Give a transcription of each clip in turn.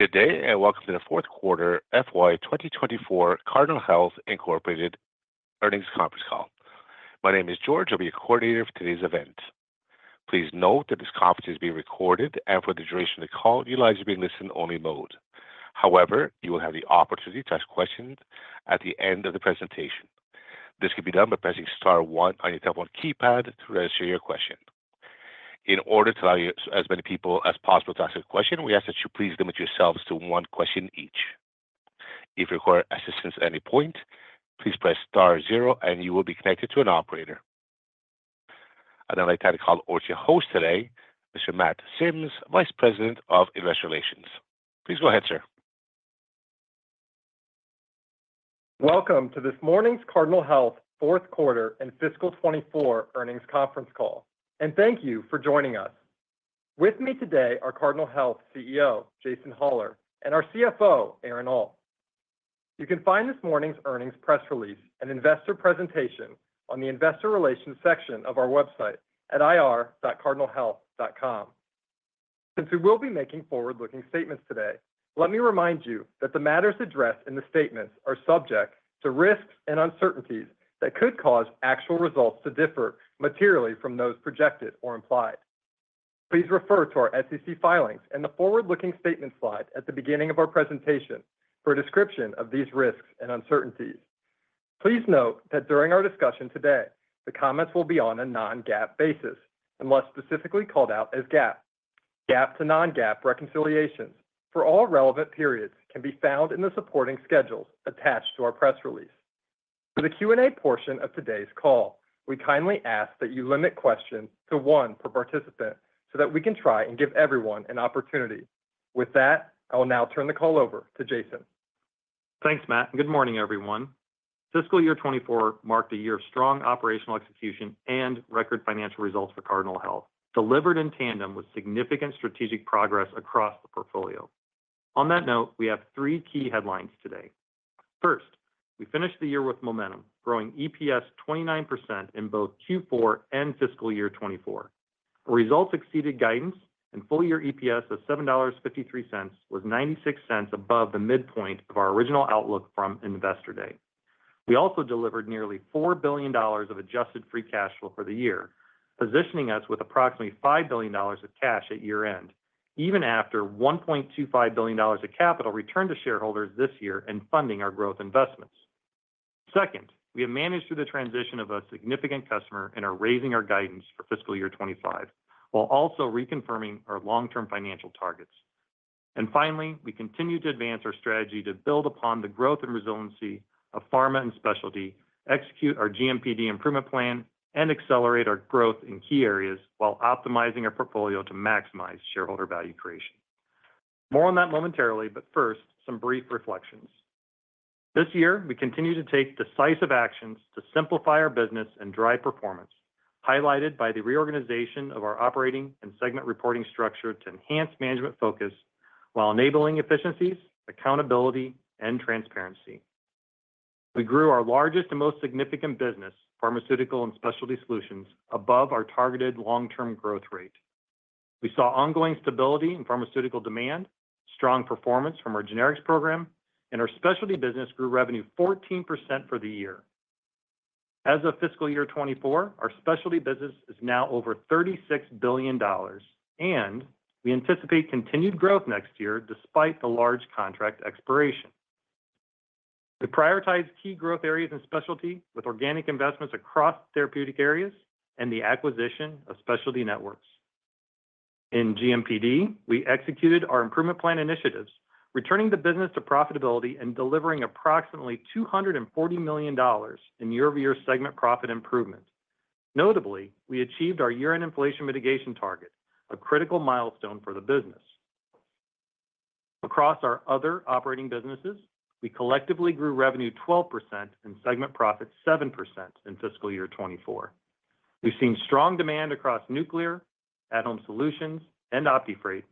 Good day, and welcome to the Fourth Quarter FY 2024 Cardinal Health Incorporated Earnings Conference Call. My name is George, I'll be your coordinator for today's event. Please note that this conference is being recorded, and for the duration of the call, your lines will be in listen-only mode. However, you will have the opportunity to ask questions at the end of the presentation. This can be done by pressing star one on your telephone keypad to register your question. In order to allow you as many people as possible to ask a question, we ask that you please limit yourselves to one question each. If you require assistance at any point, please press star zero, and you will be connected to an operator. I'd now like to hand the call over to your host today, Mr. Matt Sims, Vice President of Investor Relations. Please go ahead, sir. Welcome to this morning's Cardinal Health Fourth Quarter and Fiscal 2024 Earnings Conference Call, and thank you for joining us. With me today are Cardinal Health CEO, Jason Hollar, and our CFO, Aaron Alt. You can find this morning's earnings press release and investor presentation on the Investor Relations section of our website at ir.cardinalhealth.com. Since we will be making forward-looking statements today, let me remind you that the matters addressed in the statements are subject to risks and uncertainties that could cause actual results to differ materially from those projected or implied. Please refer to our SEC filings and the forward-looking statement Slide at the beginning of our presentation for a description of these risks and uncertainties. Please note that during our discussion today, the comments will be on a non-GAAP basis, unless specifically called out as GAAP. GAAP to non-GAAP reconciliations for all relevant periods can be found in the supporting schedules attached to our press release. For the Q&A portion of today's call, we kindly ask that you limit questions to one per participant so that we can try and give everyone an opportunity. With that, I will now turn the call over to Jason. Thanks, Matt, and good morning, everyone. Fiscal year 2024 marked a year of strong operational execution and record financial results for Cardinal Health, delivered in tandem with significant strategic progress across the portfolio. On that note, we have three key headlines today. First, we finished the year with momentum, growing EPS 29% in both Q4 and fiscal year 2024. Results exceeded guidance, and full-year EPS of $7.53 was $0.96 above the midpoint of our original outlook from Investor Day. We also delivered nearly $4 billion of adjusted free cash flow for the year, positioning us with approximately $5 billion of cash at year-end, even after $1.25 billion of capital returned to shareholders this year and funding our growth investments. Second, we have managed through the transition of a significant customer and are raising our guidance for fiscal year 2025, while also reconfirming our long-term financial targets. And finally, we continue to advance our strategy to build upon the growth and resiliency of pharma and specialty, execute our GMPD improvement plan, and accelerate our growth in key areas while optimizing our portfolio to maximize shareholder value creation. More on that momentarily, but first, some brief reflections. This year, we continued to take decisive actions to simplify our business and drive performance, highlighted by the reorganization of our operating and segment reporting structure to enhance management focus while enabling efficiencies, accountability, and transparency. We grew our largest and most significant business, Pharmaceutical and Specialty Solutions, above our targeted long-term growth rate. We saw ongoing stability in pharmaceutical demand, strong performance from our generics program, and our specialty business grew revenue 14% for the year. As of fiscal year 2024, our specialty business is now over $36 billion, and we anticipate continued growth next year despite the large contract expiration. We prioritize key growth areas and specialty with organic investments across therapeutic areas and the acquisition of Specialty Networks. In GMPD, we executed our improvement plan initiatives, returning the business to profitability and delivering approximately $240 million in year-over-year segment profit improvement. Notably, we achieved our year-end inflation mitigation target, a critical milestone for the business. Across our other operating businesses, we collectively grew revenue 12% and segment profit 7% in fiscal year 2024. We've seen strong demand across nuclear, at-Home Solutions, and OptiFreight,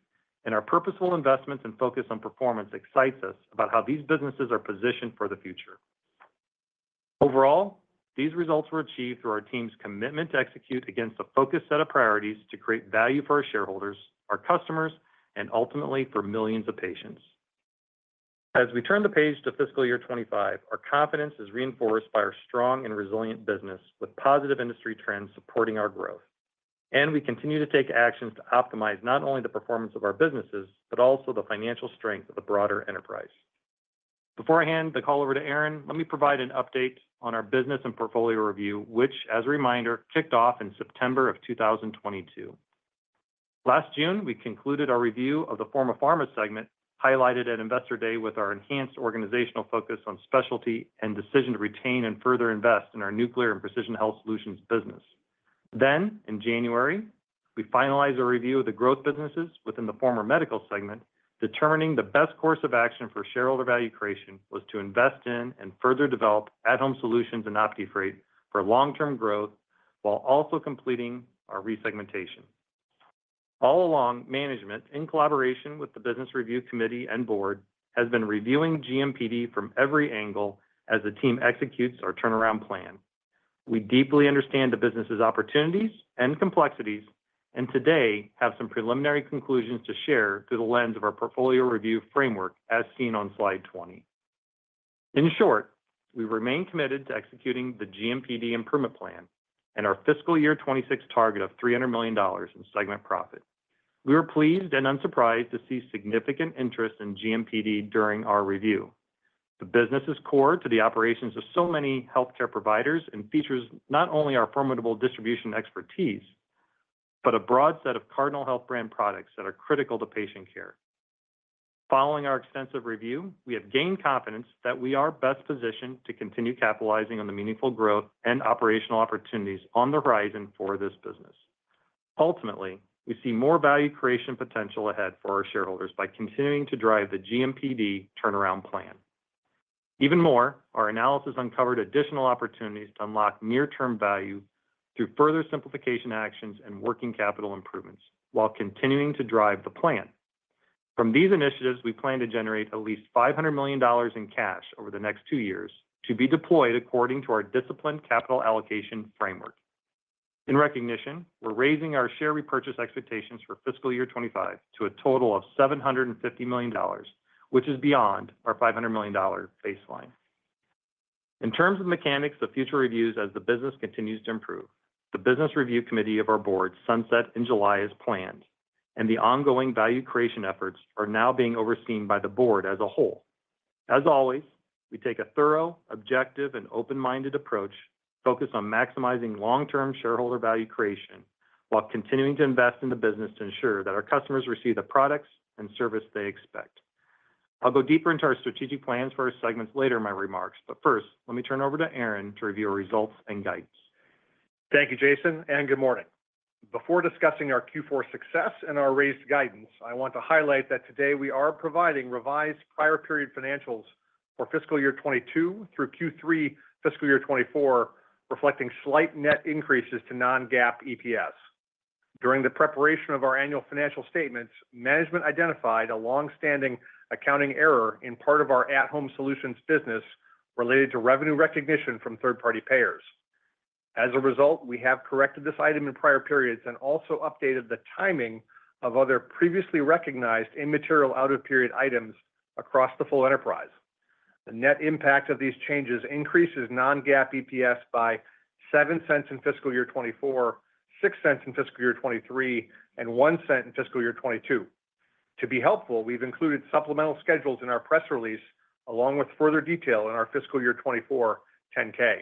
and our purposeful investments and focus on performance excites us about how these businesses are positioned for the future. Overall, these results were achieved through our team's commitment to execute against a focused set of priorities to create value for our shareholders, our customers, and ultimately, for millions of patients. As we turn the page to fiscal year 2025, our confidence is reinforced by our strong and resilient business, with positive industry trends supporting our growth. We continue to take actions to optimize not only the performance of our businesses, but also the financial strength of the broader enterprise. Before I hand the call over to Aaron, let me provide an update on our business and portfolio review, which, as a reminder, kicked off in September of 2022. Last June, we concluded our review of the former Pharma segment, highlighted at Investor Day with our enhanced organizational focus on specialty and decision to retain and further invest in our nuclear and precision health solutions business. Then, in January, we finalized a review of the growth businesses within the former medical segment, determining the best course of action for shareholder value creation was to invest in and further develop at-Home Solutions and OptiFreight for long-term growth while also completing our resegmentation. All along, management, in collaboration with the Business Review Committee and board, has been reviewing GMPD from every angle as the team executes our turnaround plan. We deeply understand the business's opportunities and complexities, and today have some preliminary conclusions to share through the lens of our portfolio review framework, as seen on Slide 20. In short, we remain committed to executing the GMPD Improvement Plan and our fiscal year 2026 target of $300 million in segment profit. We were pleased and unsurprised to see significant interest in GMPD during our review. The business is core to the operations of so many healthcare providers and features not only our formidable distribution expertise, but a broad set of Cardinal Health Brand products that are critical to patient care. Following our extensive review, we have gained confidence that we are best positioned to continue capitalizing on the meaningful growth and operational opportunities on the horizon for this business. Ultimately, we see more value creation potential ahead for our shareholders by continuing to drive the GMPD turnaround plan. Even more, our analysis uncovered additional opportunities to unlock near-term value through further simplification actions and working capital improvements while continuing to drive the plan. From these initiatives, we plan to generate at least $500 million in cash over the next two years to be deployed according to our disciplined capital allocation framework. In recognition, we're raising our share repurchase expectations for fiscal year 2025 to a total of $750 million, which is beyond our $500 million baseline. In terms of mechanics of future reviews, as the business continues to improve, the Business Review Committee of our board sunset in July as planned, and the ongoing value creation efforts are now being overseen by the board as a whole. As always, we take a thorough, objective, and open-minded approach, focused on maximizing long-term shareholder value creation, while continuing to invest in the business to ensure that our customers receive the products and service they expect. I'll go deeper into our strategic plans for our segments later in my remarks, but first, let me turn over to Aaron to review our results and guidance. Thank you, Jason, and good morning. Before discussing our Q4 success and our raised guidance, I want to highlight that today we are providing revised prior period financials for fiscal year 2022 through Q3 fiscal year 2024, reflecting slight net increases to non-GAAP EPS. During the preparation of our annual financial statements, management identified a long-standing accounting error in part of our at-Home Solutions business related to revenue recognition from third-party payers. As a result, we have corrected this item in prior periods and also updated the timing of other previously recognized immaterial out-of-period items across the full enterprise. The net impact of these changes increases non-GAAP EPS by $0.07 in fiscal year 2024, $0.06 in fiscal year 2023, and $0.01 in fiscal year 2022. To be helpful, we've included supplemental schedules in our press release, along with further detail in our fiscal year 2024 10-K.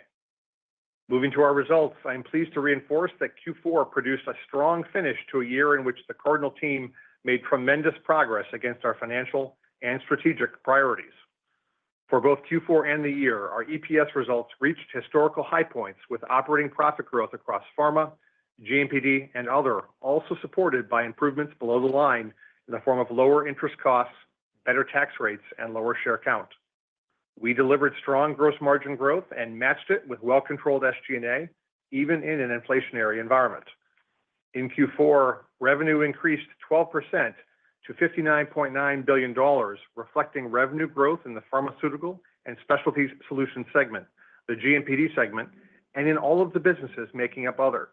Moving to our results, I am pleased to reinforce that Q4 produced a strong finish to a year in which the Cardinal team made tremendous progress against our financial and strategic priorities. For both Q4 and the year, our EPS results reached historical high points, with operating profit growth across pharma, GMPD, and other, also supported by improvements below the line in the form of lower interest costs, better tax rates, and lower share count. We delivered strong gross margin growth and matched it with well-controlled SG&A, even in an inflationary environment. In Q4, revenue increased 12% to $59.9 billion, reflecting revenue growth in the pharmaceutical and specialty solutions segment, the GMPD segment, and in all of the businesses making up other.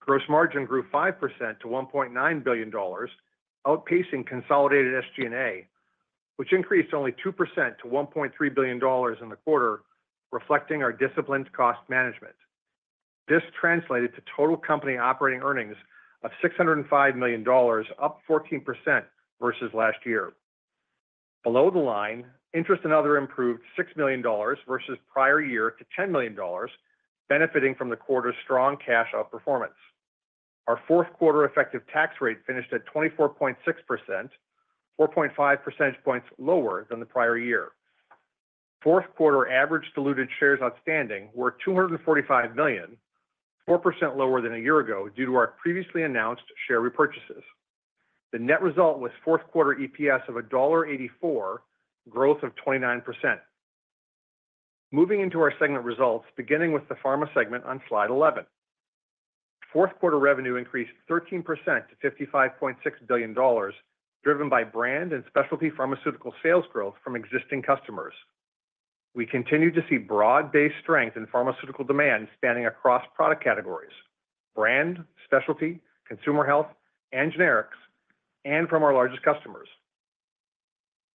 Gross margin grew 5% to $1.9 billion, outpacing consolidated SG&A, which increased only 2% to $1.3 billion in the quarter, reflecting our disciplined cost management. This translated to total company operating earnings of $605 million, up 14% versus last year. Below the line, interest and other improved $6 million versus prior year to $10 million, benefiting from the quarter's strong cash outperformance. Our fourth quarter effective tax rate finished at 24.6%, 4.5 percentage points lower than the prior year. Fourth quarter average diluted shares outstanding were 245 million, 4% lower than a year ago, due to our previously announced share repurchases. The net result was fourth quarter EPS of $1.84, growth of 29%. Moving into our segment results, beginning with the pharma segment on Slide 11. Fourth quarter revenue increased 13% to $55.6 billion, driven by brand and specialty pharmaceutical sales growth from existing customers. We continue to see broad-based strength in pharmaceutical demand, spanning across product categories, brand, specialty, consumer health, and generics, and from our largest customers.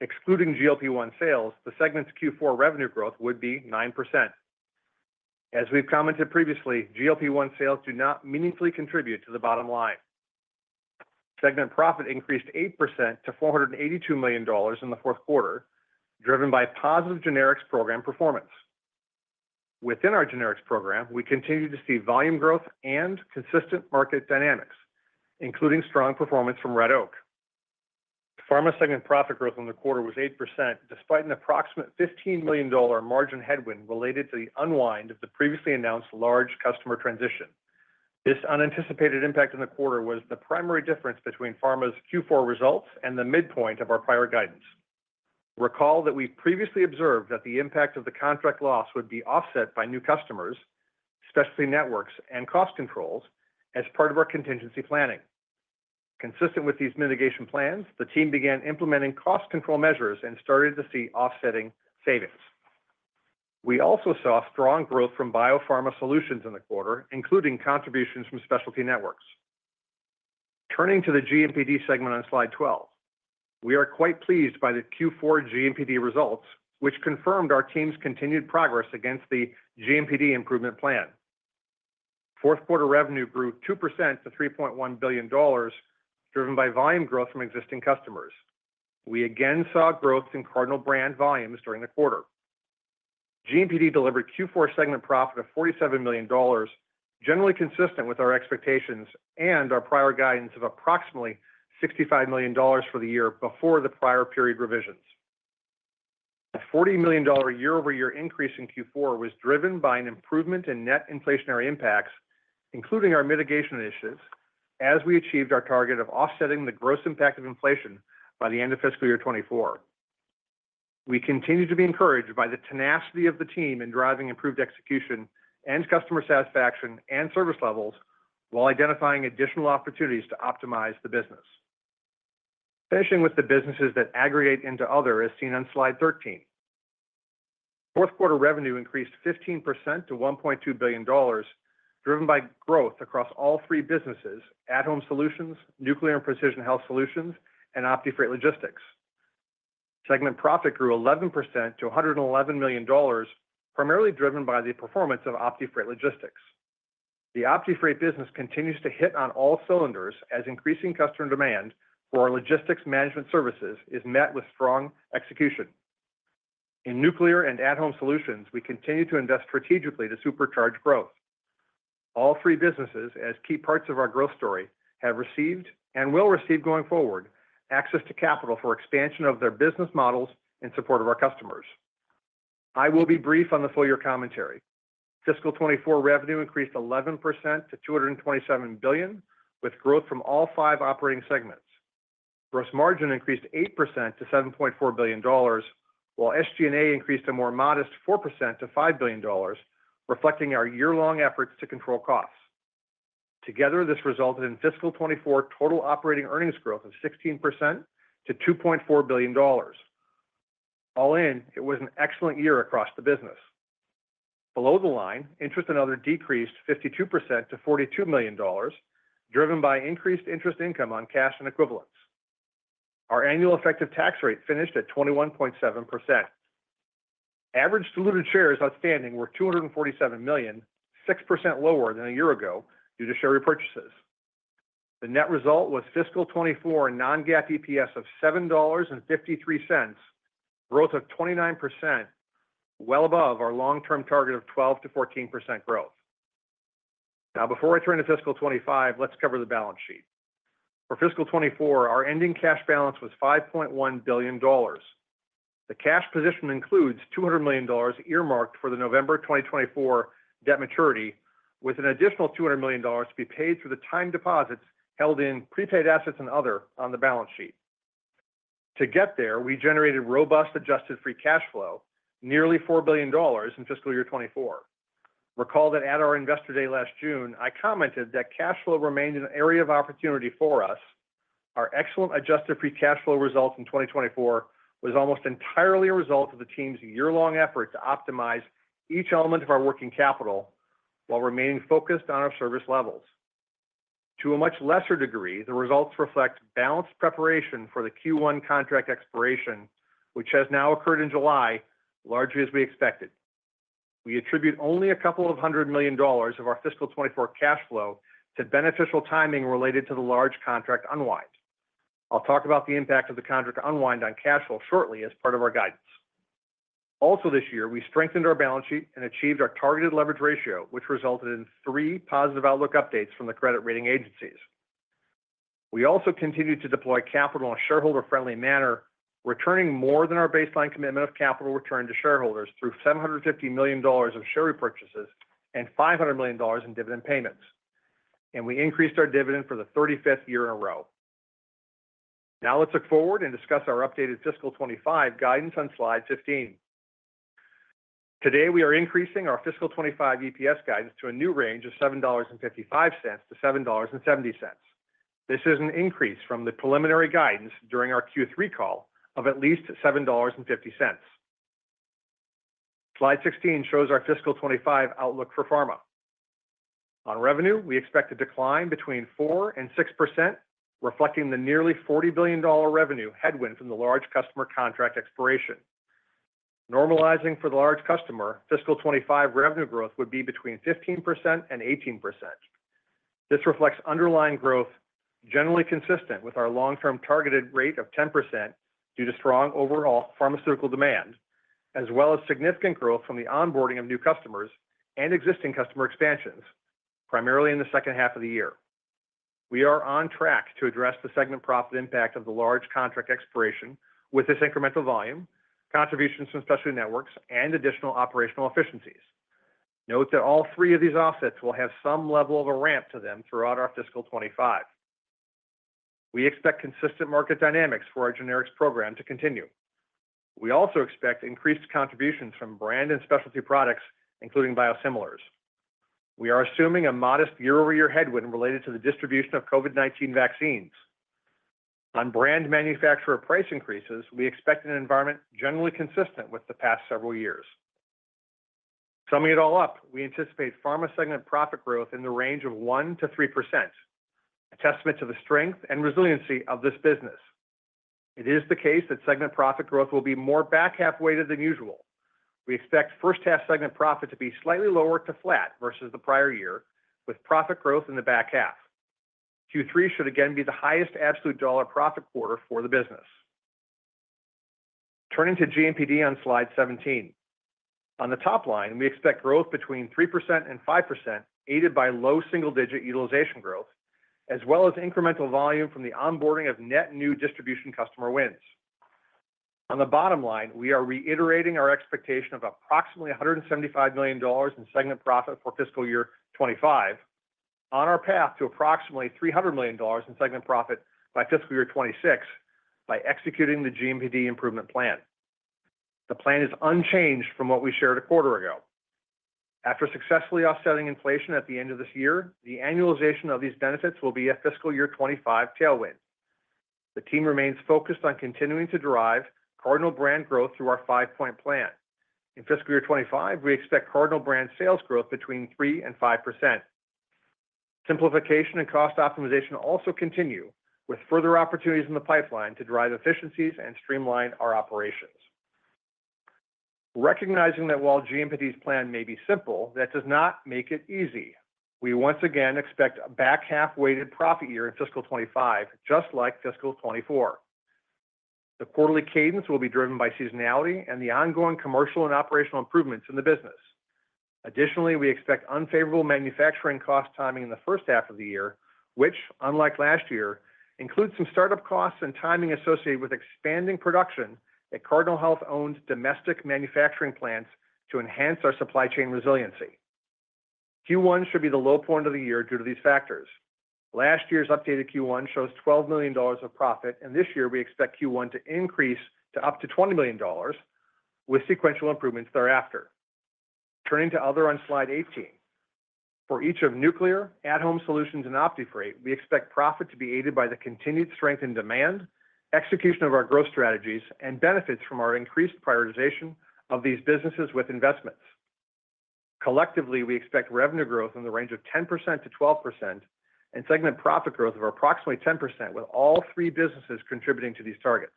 Excluding GLP-1 sales, the segment's Q4 revenue growth would be 9%. As we've commented previously, GLP-1 sales do not meaningfully contribute to the bottom line. Segment profit increased 8% to $482 million in the fourth quarter, driven by positive generics program performance. Within our generics program, we continue to see volume growth and consistent market dynamics, including strong performance from Red Oak. Pharma segment profit growth in the quarter was 8%, despite an approximate $15 million margin headwind related to the unwind of the previously announced large customer transition. This unanticipated impact in the quarter was the primary difference between Pharma's Q4 results and the midpoint of our prior guidance. Recall that we previously observed that the impact of the contract loss would be offset by new customers, Specialty Networks, and cost controls as part of our contingency planning. Consistent with these mitigation plans, the team began implementing cost control measures and started to see offsetting savings. We also saw strong growth from biopharma solutions in the quarter, including contributions from Specialty Networks. Turning to the GMPD segment on Slide 12. We are quite pleased by the Q4 GMPD results, which confirmed our team's continued progress against the GMPD improvement plan. Fourth quarter revenue grew 2% to $3.1 billion, driven by volume growth from existing customers. We again saw growth in Cardinal brand volumes during the quarter. GMPD delivered Q4 segment profit of $47 million, generally consistent with our expectations and our prior guidance of approximately $65 million for the year before the prior period revisions. A $40 million year-over-year increase in Q4 was driven by an improvement in net inflationary impacts, including our mitigation initiatives, as we achieved our target of offsetting the gross impact of inflation by the end of fiscal year 2024. We continue to be encouraged by the tenacity of the team in driving improved execution and customer satisfaction and service levels, while identifying additional opportunities to optimize the business. Finishing with the businesses that aggregate into other, as seen on Slide 13. Fourth quarter revenue increased 15% to $1.2 billion, driven by growth across all three businesses: at-Home Solutions, Nuclear and Precision Health Solutions, and OptiFreight Logistics. Segment profit grew 11% to $111 million, primarily driven by the performance of OptiFreight Logistics. The OptiFreight business continues to hit on all cylinders as increasing customer demand for our logistics management services is met with strong execution. In Nuclear and at-Home Solutions, we continue to invest strategically to supercharge growth. All three businesses, as key parts of our growth story, have received, and will receive going forward, access to capital for expansion of their business models in support of our customers. I will be brief on the full year commentary. Fiscal 2024 revenue increased 11% to $227 billion, with growth from all five operating segments. Gross margin increased 8% to $7.4 billion, while SG&A increased a more modest 4% to $5 billion, reflecting our year-long efforts to control costs. Together, this resulted in fiscal 2024 total operating earnings growth of 16% to $2.4 billion. All in, it was an excellent year across the business. Below the line, interest and other decreased 52% to $42 million, driven by increased interest income on cash and equivalents. Our annual effective tax rate finished at 21.7%. Average diluted shares outstanding were 247 million, 6% lower than a year ago due to share repurchases. The net result was fiscal 2024 non-GAAP EPS of $7.53, growth of 29%, well above our long-term target of 12%-14% growth. Now, before I turn to fiscal 2025, let's cover the balance sheet. For fiscal 2024, our ending cash balance was $5.1 billion. The cash position includes $200 million earmarked for the November 2024 debt maturity, with an additional $200 million to be paid through the time deposits held in prepaid assets and other on the balance sheet. To get there, we generated robust adjusted free cash flow, nearly $4 billion in fiscal year 2024. Recall that at our Investor Day last June, I commented that cash flow remained an area of opportunity for us. Our excellent adjusted free cash flow results in 2024 was almost entirely a result of the team's year-long effort to optimize each element of our working capital while remaining focused on our service levels. To a much lesser degree, the results reflect balanced preparation for the Q1 contract expiration, which has now occurred in July, largely as we expected. We attribute only $200 million of our fiscal 2024 cash flow to beneficial timing related to the large contract unwind. I'll talk about the impact of the contract unwind on cash flow shortly as part of our guidance. Also this year, we strengthened our balance sheet and achieved our targeted leverage ratio, which resulted in three positive outlook updates from the credit rating agencies. We also continued to deploy capital in a shareholder-friendly manner, returning more than our baseline commitment of capital return to shareholders through $750 million of share repurchases and $500 million in dividend payments, and we increased our dividend for the 35th year in a row. Now, let's look forward and discuss our updated fiscal 2025 guidance on Slide 15. Today, we are increasing our fiscal 2025 EPS guidance to a new range of $7.55-$7.70. This is an increase from the preliminary guidance during our Q3 call of at least $7.50. Slide 16 shows our fiscal 2025 outlook for pharma. On revenue, we expect a decline between 4% and 6%, reflecting the nearly $40 billion revenue headwind from the large customer contract expiration. Normalizing for the large customer, fiscal 2025 revenue growth would be between 15% and 18%. This reflects underlying growth, generally consistent with our long-term targeted rate of 10% due to strong overall pharmaceutical demand, as well as significant growth from the onboarding of new customers and existing customer expansions, primarily in the second half of the year. We are on track to address the segment profit impact of the large contract expiration with this incremental volume, contributions from specialty networks, and additional operational efficiencies. Note that all three of these offsets will have some level of a ramp to them throughout our fiscal 2025. We expect consistent market dynamics for our generics program to continue.... We also expect increased contributions from brand and specialty products, including biosimilars. We are assuming a modest year-over-year headwind related to the distribution of COVID-19 vaccines. On brand manufacturer price increases, we expect an environment generally consistent with the past several years. Summing it all up, we anticipate pharma segment profit growth in the range of 1%-3%, a testament to the strength and resiliency of this business. It is the case that segment profit growth will be more back-half weighted than usual. We expect first half segment profit to be slightly lower to flat versus the prior year, with profit growth in the back half. Q3 should again be the highest absolute dollar profit quarter for the business. Turning to GMPD on Slide 17. On the top line, we expect growth between 3%-5%, aided by low single-digit utilization growth, as well as incremental volume from the onboarding of net new distribution customer wins. On the bottom line, we are reiterating our expectation of approximately $175 million in segment profit for fiscal year 2025, on our path to approximately $300 million in segment profit by fiscal year 2026, by executing the GMPD improvement plan. The plan is unchanged from what we shared a quarter ago. After successfully offsetting inflation at the end of this year, the annualization of these benefits will be a fiscal year 2025 tailwind. The team remains focused on continuing to drive Cardinal brand growth through our five-point plan. In fiscal year 2025, we expect Cardinal brand sales growth between 3% and 5%. Simplification and cost optimization also continue, with further opportunities in the pipeline to drive efficiencies and streamline our operations. Recognizing that while GMPD's plan may be simple, that does not make it easy. We once again expect a back-half weighted profit year in fiscal 25, just like fiscal 24. The quarterly cadence will be driven by seasonality and the ongoing commercial and operational improvements in the business. Additionally, we expect unfavorable manufacturing cost timing in the first half of the year, which, unlike last year, includes some startup costs and timing associated with expanding production at Cardinal Health-owned domestic manufacturing plants to enhance our supply chain resiliency. Q1 should be the low point of the year due to these factors. Last year's updated Q1 shows $12 million of profit, and this year we expect Q1 to increase to up to $20 million, with sequential improvements thereafter. Turning to other on Slide 18. For each of Nuclear, at-Home Solutions, and OptiFreight, we expect profit to be aided by the continued strength in demand, execution of our growth strategies, and benefits from our increased prioritization of these businesses with investments. Collectively, we expect revenue growth in the range of 10%-12% and segment profit growth of approximately 10%, with all three businesses contributing to these targets.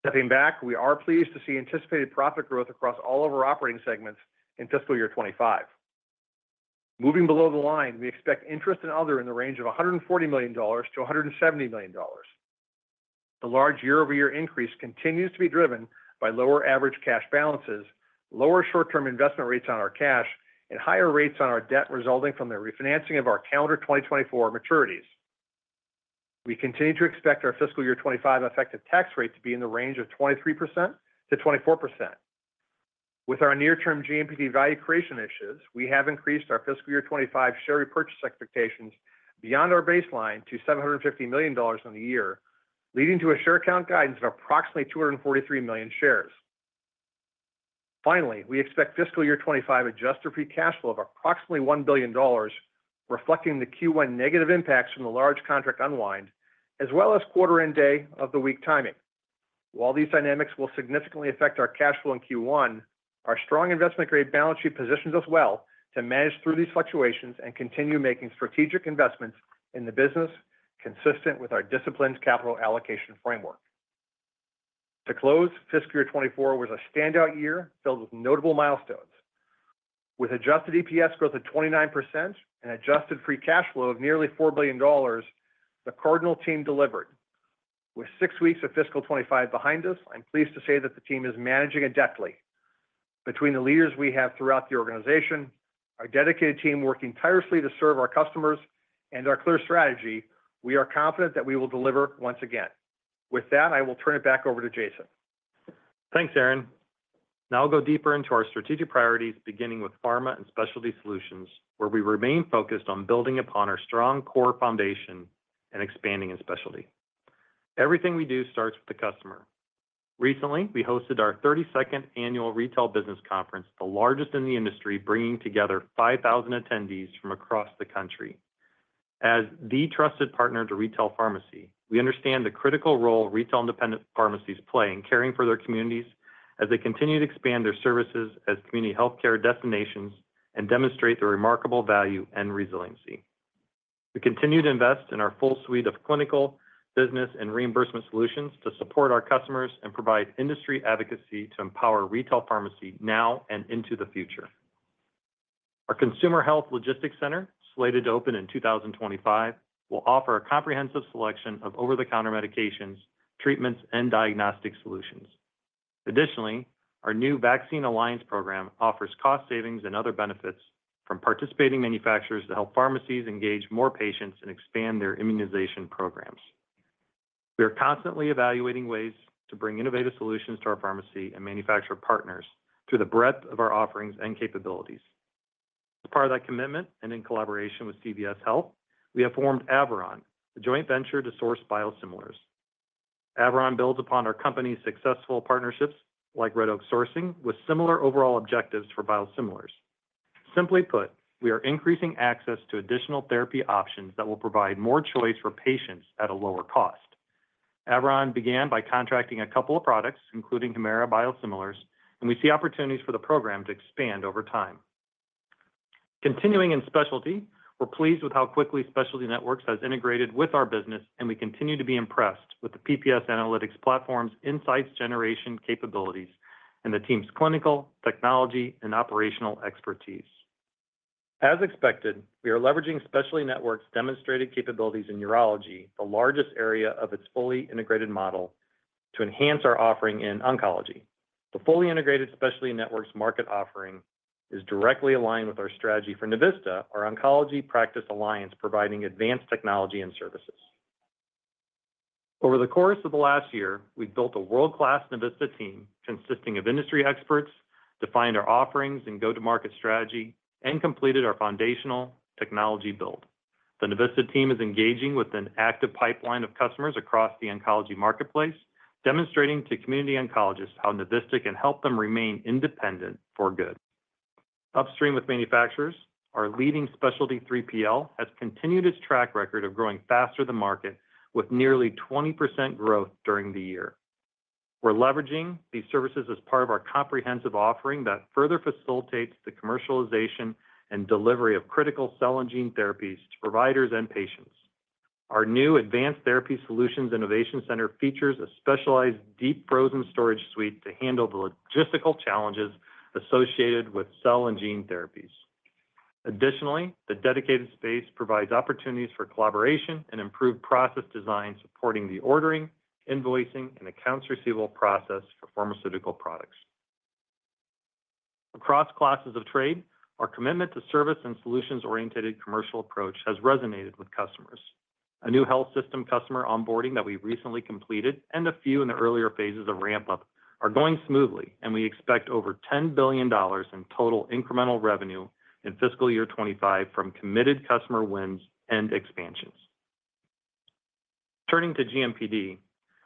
Stepping back, we are pleased to see anticipated profit growth across all of our operating segments in fiscal year 2025. Moving below the line, we expect interest and other in the range of $140 million-$170 million. The large year-over-year increase continues to be driven by lower average cash balances, lower short-term investment rates on our cash, and higher rates on our debt resulting from the refinancing of our calendar 2024 maturities. We continue to expect our fiscal year 2025 effective tax rate to be in the range of 23%-24%. With our near-term GMPD value creation initiatives, we have increased our fiscal year 2025 share repurchase expectations beyond our baseline to $750 million in the year, leading to a share count guidance of approximately 243 million shares. Finally, we expect fiscal year 2025 adjusted free cash flow of approximately $1 billion, reflecting the Q1 negative impacts from the large contract unwind, as well as quarter end day of the week timing. While these dynamics will significantly affect our cash flow in Q1, our strong investment-grade balance sheet positions us well to manage through these fluctuations and continue making strategic investments in the business, consistent with our disciplined capital allocation framework. To close, fiscal year 2024 was a standout year filled with notable milestones. With adjusted EPS growth of 29% and adjusted free cash flow of nearly $4 billion, the Cardinal team delivered. With 6 weeks of fiscal 2025 behind us, I'm pleased to say that the team is managing adeptly. Between the leaders we have throughout the organization, our dedicated team working tirelessly to serve our customers, and our clear strategy, we are confident that we will deliver once again. With that, I will turn it back over to Jason. Thanks, Aaron. Now I'll go deeper into our strategic priorities, beginning with pharma and specialty solutions, where we remain focused on building upon our strong core foundation and expanding in specialty. Everything we do starts with the customer. Recently, we hosted our 32nd annual Retail Business Conference, the largest in the industry, bringing together 5,000 attendees from across the country. As the trusted partner to retail pharmacy, we understand the critical role retail independent pharmacies play in caring for their communities as they continue to expand their services as community healthcare destinations and demonstrate their remarkable value and resiliency. We continue to invest in our full suite of clinical, business, and reimbursement solutions to support our customers and provide industry advocacy to empower retail pharmacy now and into the future. Our Consumer Health Logistics Center, slated to open in 2025, will offer a comprehensive selection of over-the-counter medications, treatments, and diagnostic solutions. Additionally, our new Vaccine Alliance program offers cost savings and other benefits from participating manufacturers to help pharmacies engage more patients and expand their immunization programs. We are constantly evaluating ways to bring innovative solutions to our pharmacy and manufacturer partners through the breadth of our offerings and capabilities. As part of that commitment, and in collaboration with CVS Health, we have formed Averon, a joint venture to source biosimilars. Averon builds upon our company's successful partnerships, like Red Oak Sourcing, with similar overall objectives for biosimilars. Simply put, we are increasing access to additional therapy options that will provide more choice for patients at a lower cost. Averon began by contracting a couple of products, including Humira biosimilars, and we see opportunities for the program to expand over time. Continuing in specialty, we're pleased with how quickly Specialty Networks has integrated with our business, and we continue to be impressed with the PPS Analytics platform's insights generation capabilities and the team's clinical, technology, and operational expertise. As expected, we are leveraging Specialty Networks' demonstrated capabilities in urology, the largest area of its fully integrated model, to enhance our offering in oncology. The fully integrated Specialty Networks market offering is directly aligned with our strategy for Navista, our oncology practice alliance, providing advanced technology and services. Over the course of the last year, we've built a world-class Navista team consisting of industry experts, defined our offerings and go-to-market strategy, and completed our foundational technology build. The Navista team is engaging with an active pipeline of customers across the oncology marketplace, demonstrating to community oncologists how Navista can help them remain independent for good. Upstream with manufacturers, our leading Specialty 3PL has continued its track record of growing faster than market, with nearly 20% growth during the year. We're leveraging these services as part of our comprehensive offering that further facilitates the commercialization and delivery of critical cell and gene therapies to providers and patients. Our new Advanced Therapy Solutions Innovation Center features a specialized deep frozen storage suite to handle the logistical challenges associated with cell and gene therapies. Additionally, the dedicated space provides opportunities for collaboration and improved process design, supporting the ordering, invoicing, and accounts receivable process for pharmaceutical products. Across classes of trade, our commitment to service and solutions-oriented commercial approach has resonated with customers. A new health system customer onboarding that we recently completed, and a few in the earlier phases of ramp-up, are going smoothly, and we expect over $10 billion in total incremental revenue in fiscal year 2025 from committed customer wins and expansions. Turning to GMPD,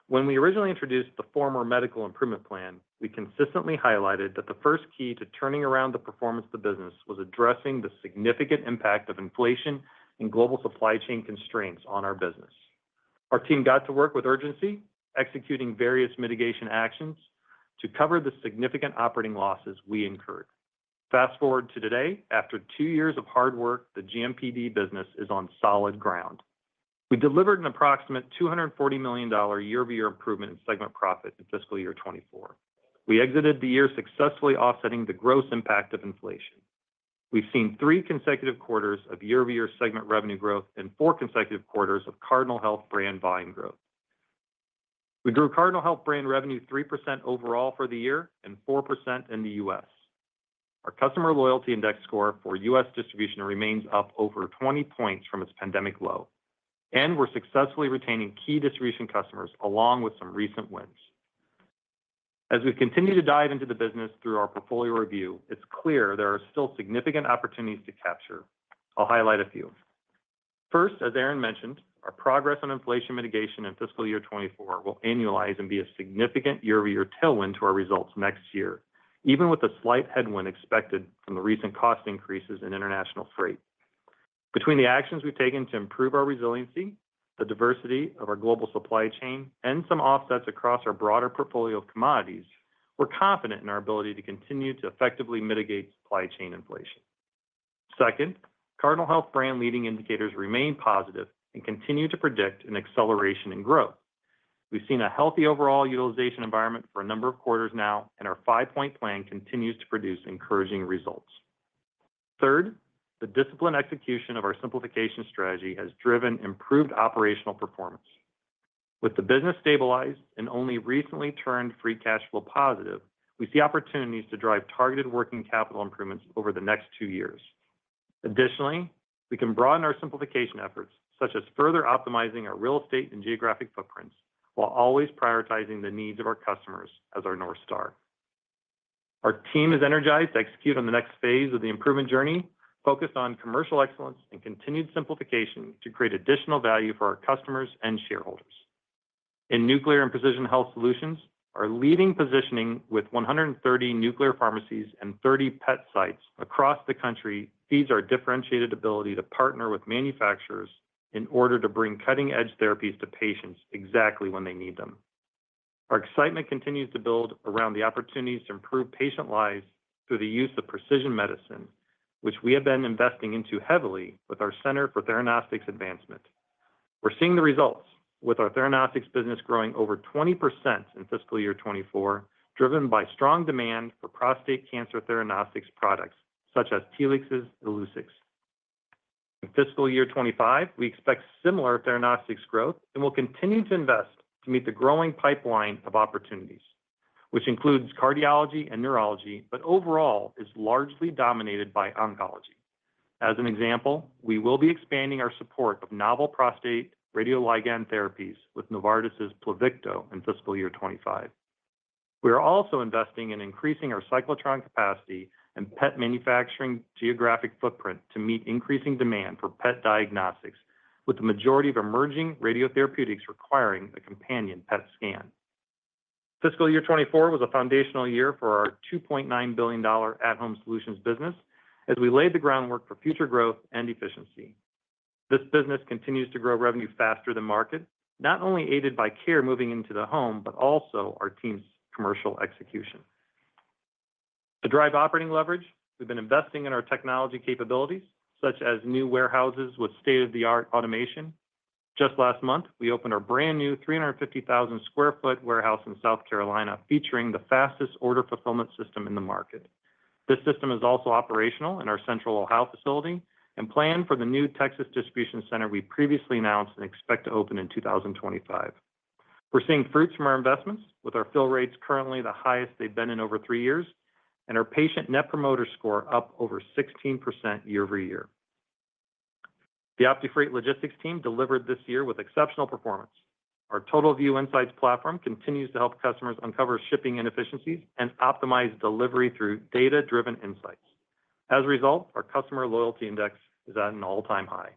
when we originally introduced the former Medical Improvement Plan, we consistently highlighted that the first key to turning around the performance of the business was addressing the significant impact of inflation and global supply chain constraints on our business. Our team got to work with urgency, executing various mitigation actions to cover the significant operating losses we incurred. Fast forward to today, after two years of hard work, the GMPD business is on solid ground. We delivered an approximate $240 million year-over-year improvement in segment profit in fiscal year 2024. We exited the year successfully offsetting the gross impact of inflation. We've seen 3 consecutive quarters of year-over-year segment revenue growth and 4 consecutive quarters of Cardinal Health Brand volume growth. We grew Cardinal Health Brand revenue 3% overall for the year and 4% in the U.S. Our Customer Loyalty Index score for U.S. distribution remains up over 20 points from its pandemic low, and we're successfully retaining key distribution customers, along with some recent wins. As we continue to dive into the business through our portfolio review, it's clear there are still significant opportunities to capture. I'll highlight a few. First, as Aaron mentioned, our progress on inflation mitigation in fiscal year 2024 will annualize and be a significant year-over-year tailwind to our results next year, even with a slight headwind expected from the recent cost increases in international freight. Between the actions we've taken to improve our resiliency, the diversity of our global supply chain, and some offsets across our broader portfolio of commodities, we're confident in our ability to continue to effectively mitigate supply chain inflation. Second, Cardinal Health Brand leading indicators remain positive and continue to predict an acceleration in growth. We've seen a healthy overall utilization environment for a number of quarters now, and our five-point plan continues to produce encouraging results. Third, the disciplined execution of our simplification strategy has driven improved operational performance. With the business stabilized and only recently turned free cash flow positive, we see opportunities to drive targeted working capital improvements over the next two years. Additionally, we can broaden our simplification efforts, such as further optimizing our real estate and geographic footprints, while always prioritizing the needs of our customers as our North Star. Our team is energized to execute on the next phase of the improvement journey, focused on commercial excellence and continued simplification to create additional value for our customers and shareholders. In nuclear and precision health solutions, our leading positioning with 130 nuclear pharmacies and 30 PET sites across the country feeds our differentiated ability to partner with manufacturers in order to bring cutting-edge therapies to patients exactly when they need them. Our excitement continues to build around the opportunities to improve patient lives through the use of precision medicine, which we have been investing into heavily with our Center for Theranostics Advancement. We're seeing the results with our theranostics business growing over 20% in fiscal year 2024, driven by strong demand for prostate cancer theranostics products, such as Telix's Illuccix. In fiscal year 2025, we expect similar theranostics growth and will continue to invest to meet the growing pipeline of opportunities, which includes cardiology and neurology, but overall is largely dominated by oncology. As an example, we will be expanding our support of novel prostate radioligand therapies with Novartis' Pluvicto in fiscal year 2025. We are also investing in increasing our cyclotron capacity and PET manufacturing geographic footprint to meet increasing demand for PET diagnostics, with the majority of emerging radiotherapeutics requiring a companion PET scan. Fiscal year 2024 was a foundational year for our $2.9 billion at-Home Solutions business, as we laid the groundwork for future growth and efficiency. This business continues to grow revenue faster than market, not only aided by care moving into the home, but also our team's commercial execution. To drive operating leverage, we've been investing in our technology capabilities, such as new warehouses with state-of-the-art automation. Just last month, we opened our brand-new 350,000 sq ft warehouse in South Carolina, featuring the fastest order fulfillment system in the market. This system is also operational in our Central Ohio facility and planned for the new Texas distribution center we previously announced and expect to open in 2025. We're seeing fruits from our investments, with our fill rates currently the highest they've been in over three years, and our Patient Net Promoter Score up over 16% year-over-year. The OptiFreight Logistics team delivered this year with exceptional performance. Our TotalVue Insights platform continues to help customers uncover shipping inefficiencies and optimize delivery through data-driven insights. As a result, our customer loyalty index is at an all-time high.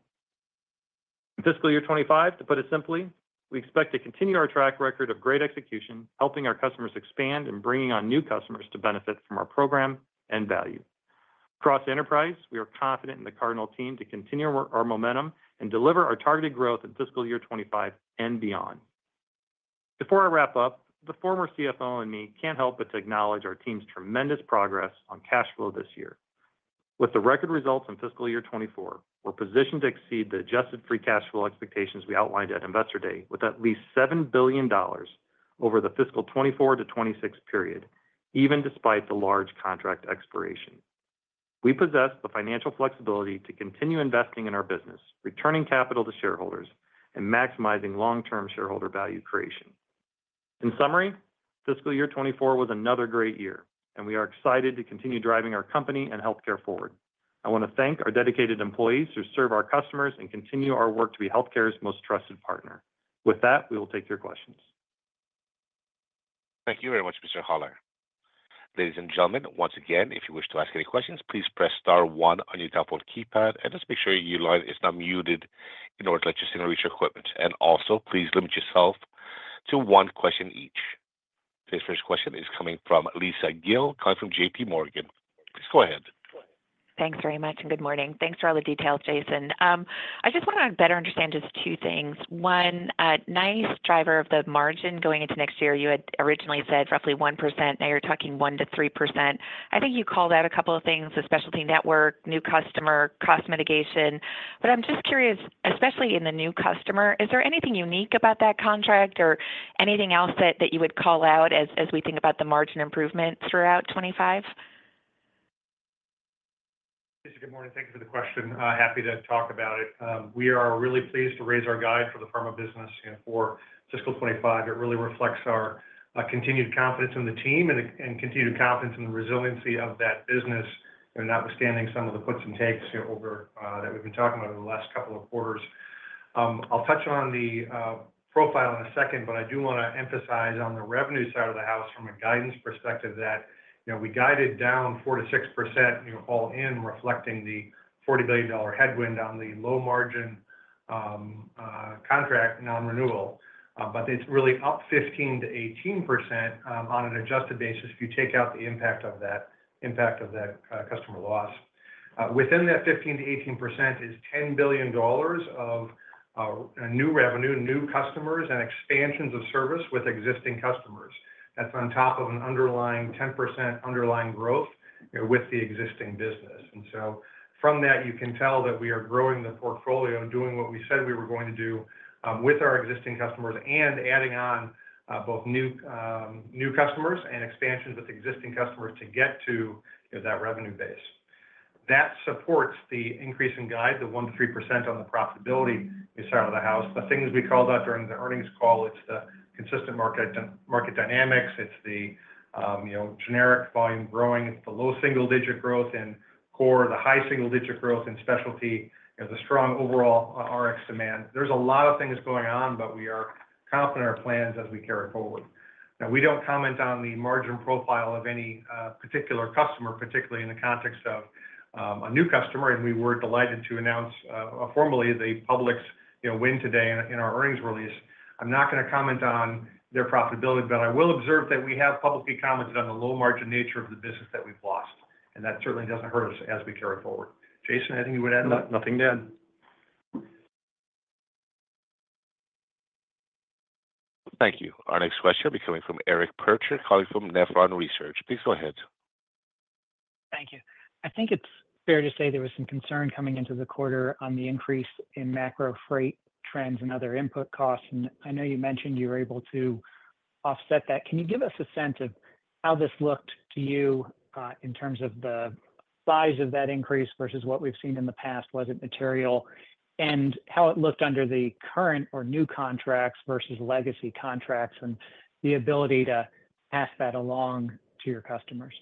In fiscal year 2025, to put it simply, we expect to continue our track record of great execution, helping our customers expand and bringing on new customers to benefit from our program and value. Across enterprise, we are confident in the Cardinal team to continue our, our momentum and deliver our targeted growth in fiscal year 2025 and beyond. Before I wrap up, the former CFO and me can't help but to acknowledge our team's tremendous progress on cash flow this year. With the record results in fiscal year 2024, we're positioned to exceed the adjusted free cash flow expectations we outlined at Investor Day, with at least $7 billion over the fiscal 2024-2026 period, even despite the large contract expiration. We possess the financial flexibility to continue investing in our business, returning capital to shareholders, and maximizing long-term shareholder value creation. In summary, fiscal year 2024 was another great year, and we are excited to continue driving our company and healthcare forward. I want to thank our dedicated employees who serve our customers and continue our work to be healthcare's most trusted partner. With that, we will take your questions. Thank you very much, Mr. Hollar. Ladies and gentlemen, once again, if you wish to ask any questions, please press star one on your telephone keypad and just make sure your line is not muted in order to let your signal reach your equipment. Also, please limit yourself to one question each. Today's first question is coming from Lisa Gill, calling from J.P. Morgan. Please go ahead. Thanks very much, and good morning. Thanks for all the details, Jason. I just want to better understand just two things. One, a nice driver of the margin going into next year, you had originally said roughly 1%. Now, you're talking 1%-3%. I think you called out a couple of things, the specialty network, new customer, cost mitigation. But I'm just curious, especially in the new customer, is there anything unique about that contract or anything else that, that you would call out as, as we think about the margin improvements throughout 2025? Lisa, good morning. Thank you for the question. Happy to talk about it. We are really pleased to raise our guide for the pharma business, you know, for fiscal 2025. It really reflects our continued confidence in the team and continued confidence in the resiliency of that business, you know, notwithstanding some of the puts and takes over that we've been talking about over the last couple of quarters. I'll touch on the profile in a second, but I do wanna emphasize on the revenue side of the house from a guidance perspective, that, you know, we guided down 4%-6%, you know, all in reflecting the $40 billion headwind on the low margin contract non-renewal. But it's really up 15%-18%, on an adjusted basis if you take out the impact of that customer loss. Within that 15%-18% is $10 billion of new revenue, new customers, and expansions of service with existing customers. That's on top of an underlying 10% underlying growth with the existing business. And so from that, you can tell that we are growing the portfolio and doing what we said we were going to do with our existing customers and adding on both new customers and expansions with existing customers to get to, you know, that revenue base. That supports the increase in guide, the 1%-3% on the profitability side of the house. The things we called out during the earnings call, it's the consistent market din, market dynamics, it's the, you know, generic volume growing, it's the low single-digit growth in core, the high single-digit growth in specialty, you know, the strong overall, Rx demand. There's a lot of things going on, but we are confident in our plans as we carry it forward. Now, we don't comment on the margin profile of any particular customer, particularly in the context of a new customer, and we were delighted to announce formally the Publix, you know, win today in our earnings release. I'm not gonna comment on their profitability, but I will observe that we have publicly commented on the low margin nature of the business that we've lost, and that certainly doesn't hurt us as we carry forward. Jason, anything you would add? No, nothing to add. Thank you. Our next question will be coming from Eric Percher, calling from Nephron Research. Please go ahead. Thank you. I think it's fair to say there was some concern coming into the quarter on the increase in macro freight trends and other input costs, and I know you mentioned you were able to offset that. Can you give us a sense of how this looked to you, in terms of the size of that increase versus what we've seen in the past? Was it material? And how it looked under the current or new contracts versus legacy contracts, and the ability to pass that along to your customers?...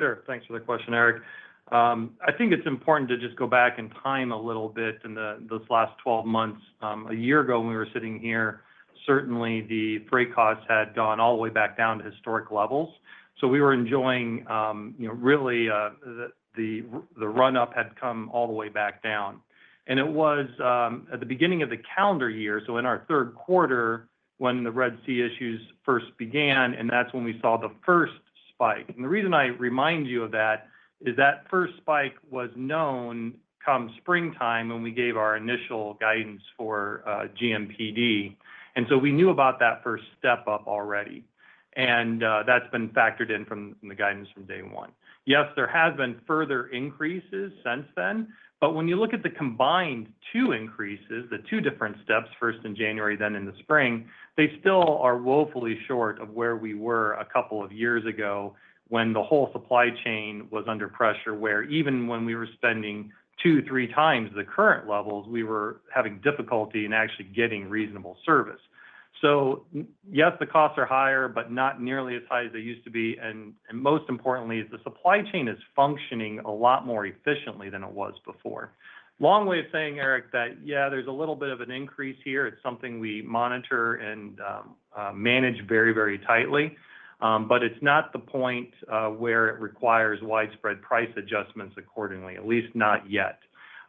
Sure. Thanks for the question, Eric. I think it's important to just go back in time a little bit in the, those last 12 months. A year ago, when we were sitting here, certainly the freight costs had gone all the way back down to historic levels. So we were enjoying, you know, really, the run-up had come all the way back down. And it was at the beginning of the calendar year, so in our third quarter, when the Red Sea issues first began, and that's when we saw the first spike. And the reason I remind you of that is that first spike was known come springtime, when we gave our initial guidance for GMPD. And so we knew about that first step-up already, and that's been factored in from the guidance from day one. Yes, there has been further increases since then, but when you look at the combined two increases, the two different steps, first in January, then in the spring, they still are woefully short of where we were a couple of years ago when the whole supply chain was under pressure, where even when we were spending 2-3 times the current levels, we were having difficulty in actually getting reasonable service. So, yes, the costs are higher, but not nearly as high as they used to be, and most importantly, the supply chain is functioning a lot more efficiently than it was before. Long way of saying, Eric, that yeah, there's a little bit of an increase here. It's something we monitor and manage very, very tightly, but it's not the point where it requires widespread price adjustments accordingly, at least not yet.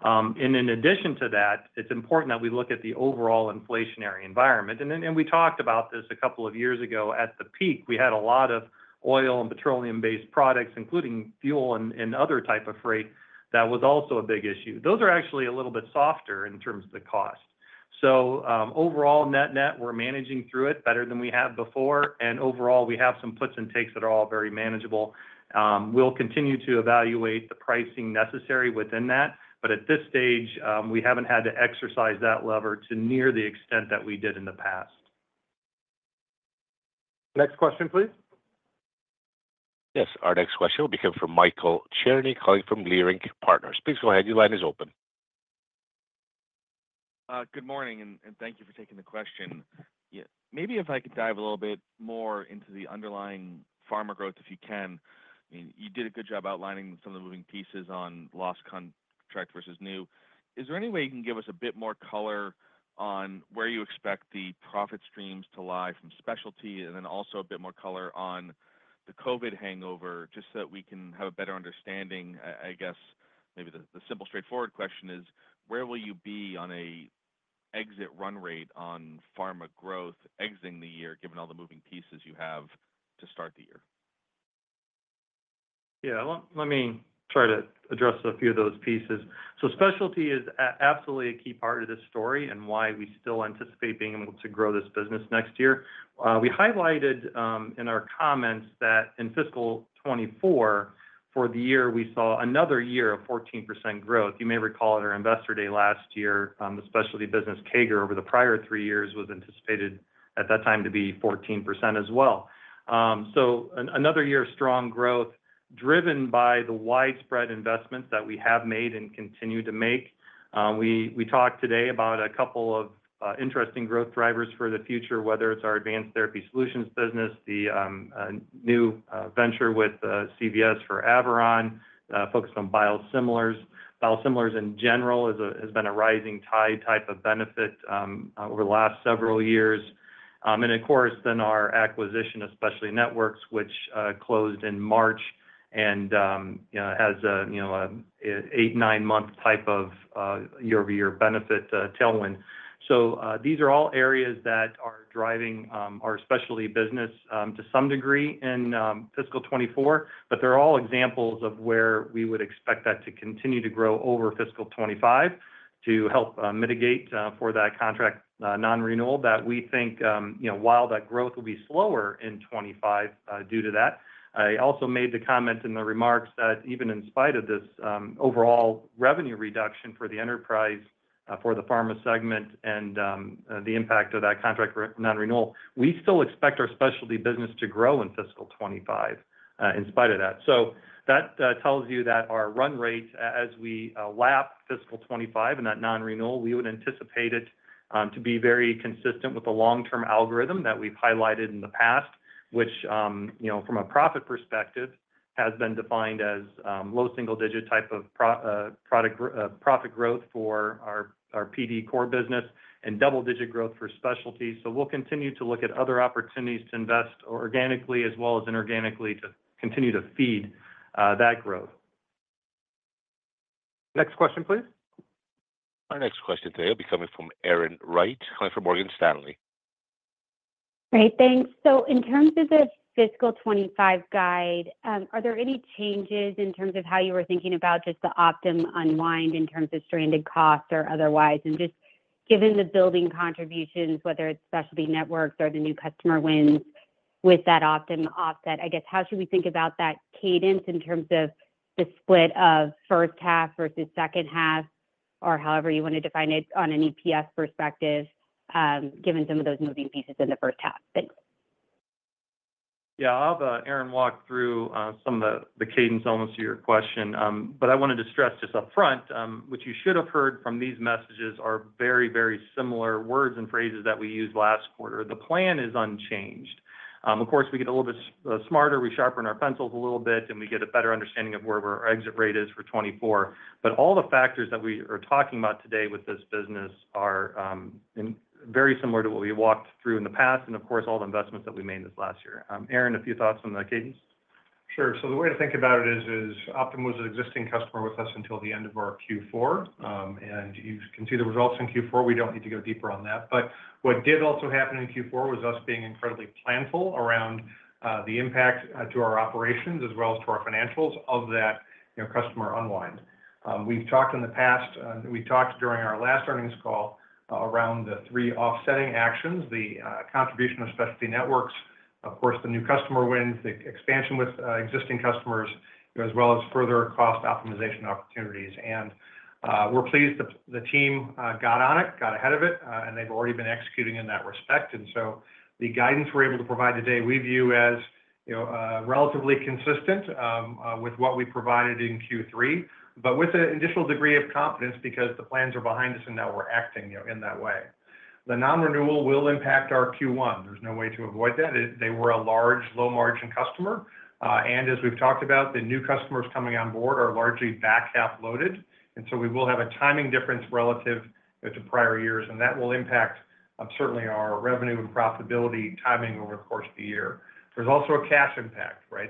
And in addition to that, it's important that we look at the overall inflationary environment. And then we talked about this a couple of years ago. At the peak, we had a lot of oil and petroleum-based products, including fuel and other type of freight. That was also a big issue. Those are actually a little bit softer in terms of the cost. So, overall, net-net, we're managing through it better than we have before, and overall, we have some puts and takes that are all very manageable. We'll continue to evaluate the pricing necessary within that, but at this stage, we haven't had to exercise that lever to near the extent that we did in the past. Next question, please. Yes, our next question will be coming from Michael Cherney, calling from Leerink Partners. Please go ahead, your line is open. Good morning, and thank you for taking the question. Yeah, maybe if I could dive a little bit more into the underlying pharma growth, if you can. I mean, you did a good job outlining some of the moving pieces on lost contract versus new. Is there any way you can give us a bit more color on where you expect the profit streams to lie from specialty, and then also a bit more color on the COVID hangover, just so that we can have a better understanding? I guess, maybe the simple, straightforward question is, where will you be on a exit run rate on pharma growth, exiting the year, given all the moving pieces you have to start the year? Yeah, well, let me try to address a few of those pieces. So specialty is absolutely a key part of this story and why we still anticipate being able to grow this business next year. We highlighted in our comments that in fiscal 2024, for the year, we saw another year of 14% growth. You may recall at our Investor Day last year, the specialty business CAGR over the prior three years was anticipated at that time to be 14% as well. So another year of strong growth, driven by the widespread investments that we have made and continue to make. We talked today about a couple of interesting growth drivers for the future, whether it's our Advanced Therapy Solutions business, the new venture with CVS for Averon, focused on biosimilars. Biosimilars, in general, has been a rising tide type of benefit over the last several years. And of course, then our acquisition of Specialty Networks, which closed in March, and you know, has a you know, an 8-9 month type of year-over-year benefit tailwind. So these are all areas that are driving our specialty business to some degree in fiscal 2024, but they're all examples of where we would expect that to continue to grow over fiscal 2025, to help mitigate for that contract non-renewal, that we think you know, while that growth will be slower in 2025 due to that. I also made the comment in the remarks that even in spite of this overall revenue reduction for the enterprise, for the pharma segment and the impact of that contract non-renewal, we still expect our specialty business to grow in fiscal 25, in spite of that. So that tells you that our run rate, as we lap fiscal 25 and that non-renewal, we would anticipate it to be very consistent with the long-term algorithm that we've highlighted in the past, which you know, from a profit perspective, has been defined as low single digit type of profit growth for our PD core business, and double-digit growth for specialty. So we'll continue to look at other opportunities to invest organically as well as inorganically, to continue to feed that growth. Next question, please. Our next question today will be coming from Erin Wright, calling from Morgan Stanley. Great, thanks. So in terms of the fiscal 2025 guide, are there any changes in terms of how you were thinking about just the Optum unwind in terms of stranded costs or otherwise? And just given the building contributions, whether it's Specialty Networks or the new customer wins, with that Optum offset, I guess, how should we think about that cadence in terms of the split of first half versus second half, or however you want to define it on an EPS perspective, given some of those moving pieces in the first half? Thanks. Yeah. I'll have Erin walk through some of the, the cadence elements to your question. But I wanted to stress this upfront, which you should have heard from these messages, are very, very similar words and phrases that we used last quarter. The plan is unchanged... Of course, we get a little bit smarter, we sharpen our pencils a little bit, and we get a better understanding of where our exit rate is for 2024. But all the factors that we are talking about today with this business are in very similar to what we walked through in the past, and of course, all the investments that we made this last year. Aaron, a few thoughts on the guidance? Sure. So the way to think about it is, Optum was an existing customer with us until the end of our Q4. And you can see the results in Q4. We don't need to go deeper on that. But what did also happen in Q4 was us being incredibly planful around the impact to our operations as well as to our financials of that, you know, customer unwind. We've talked in the past, we talked during our last earnings call, around the three offsetting actions: the contribution of Specialty Networks, of course, the new customer wins, the expansion with existing customers, as well as further cost optimization opportunities. And we're pleased the team got on it, got ahead of it, and they've already been executing in that respect. So the guidance we're able to provide today, we view as, you know, relatively consistent with what we provided in Q3, but with an additional degree of confidence because the plans are behind us and now we're acting, you know, in that way. The non-renewal will impact our Q1. There's no way to avoid that. They were a large, low-margin customer, and as we've talked about, the new customers coming on board are largely back-half loaded, and so we will have a timing difference relative to prior years, and that will impact certainly our revenue and profitability timing over the course of the year. There's also a cash impact, right?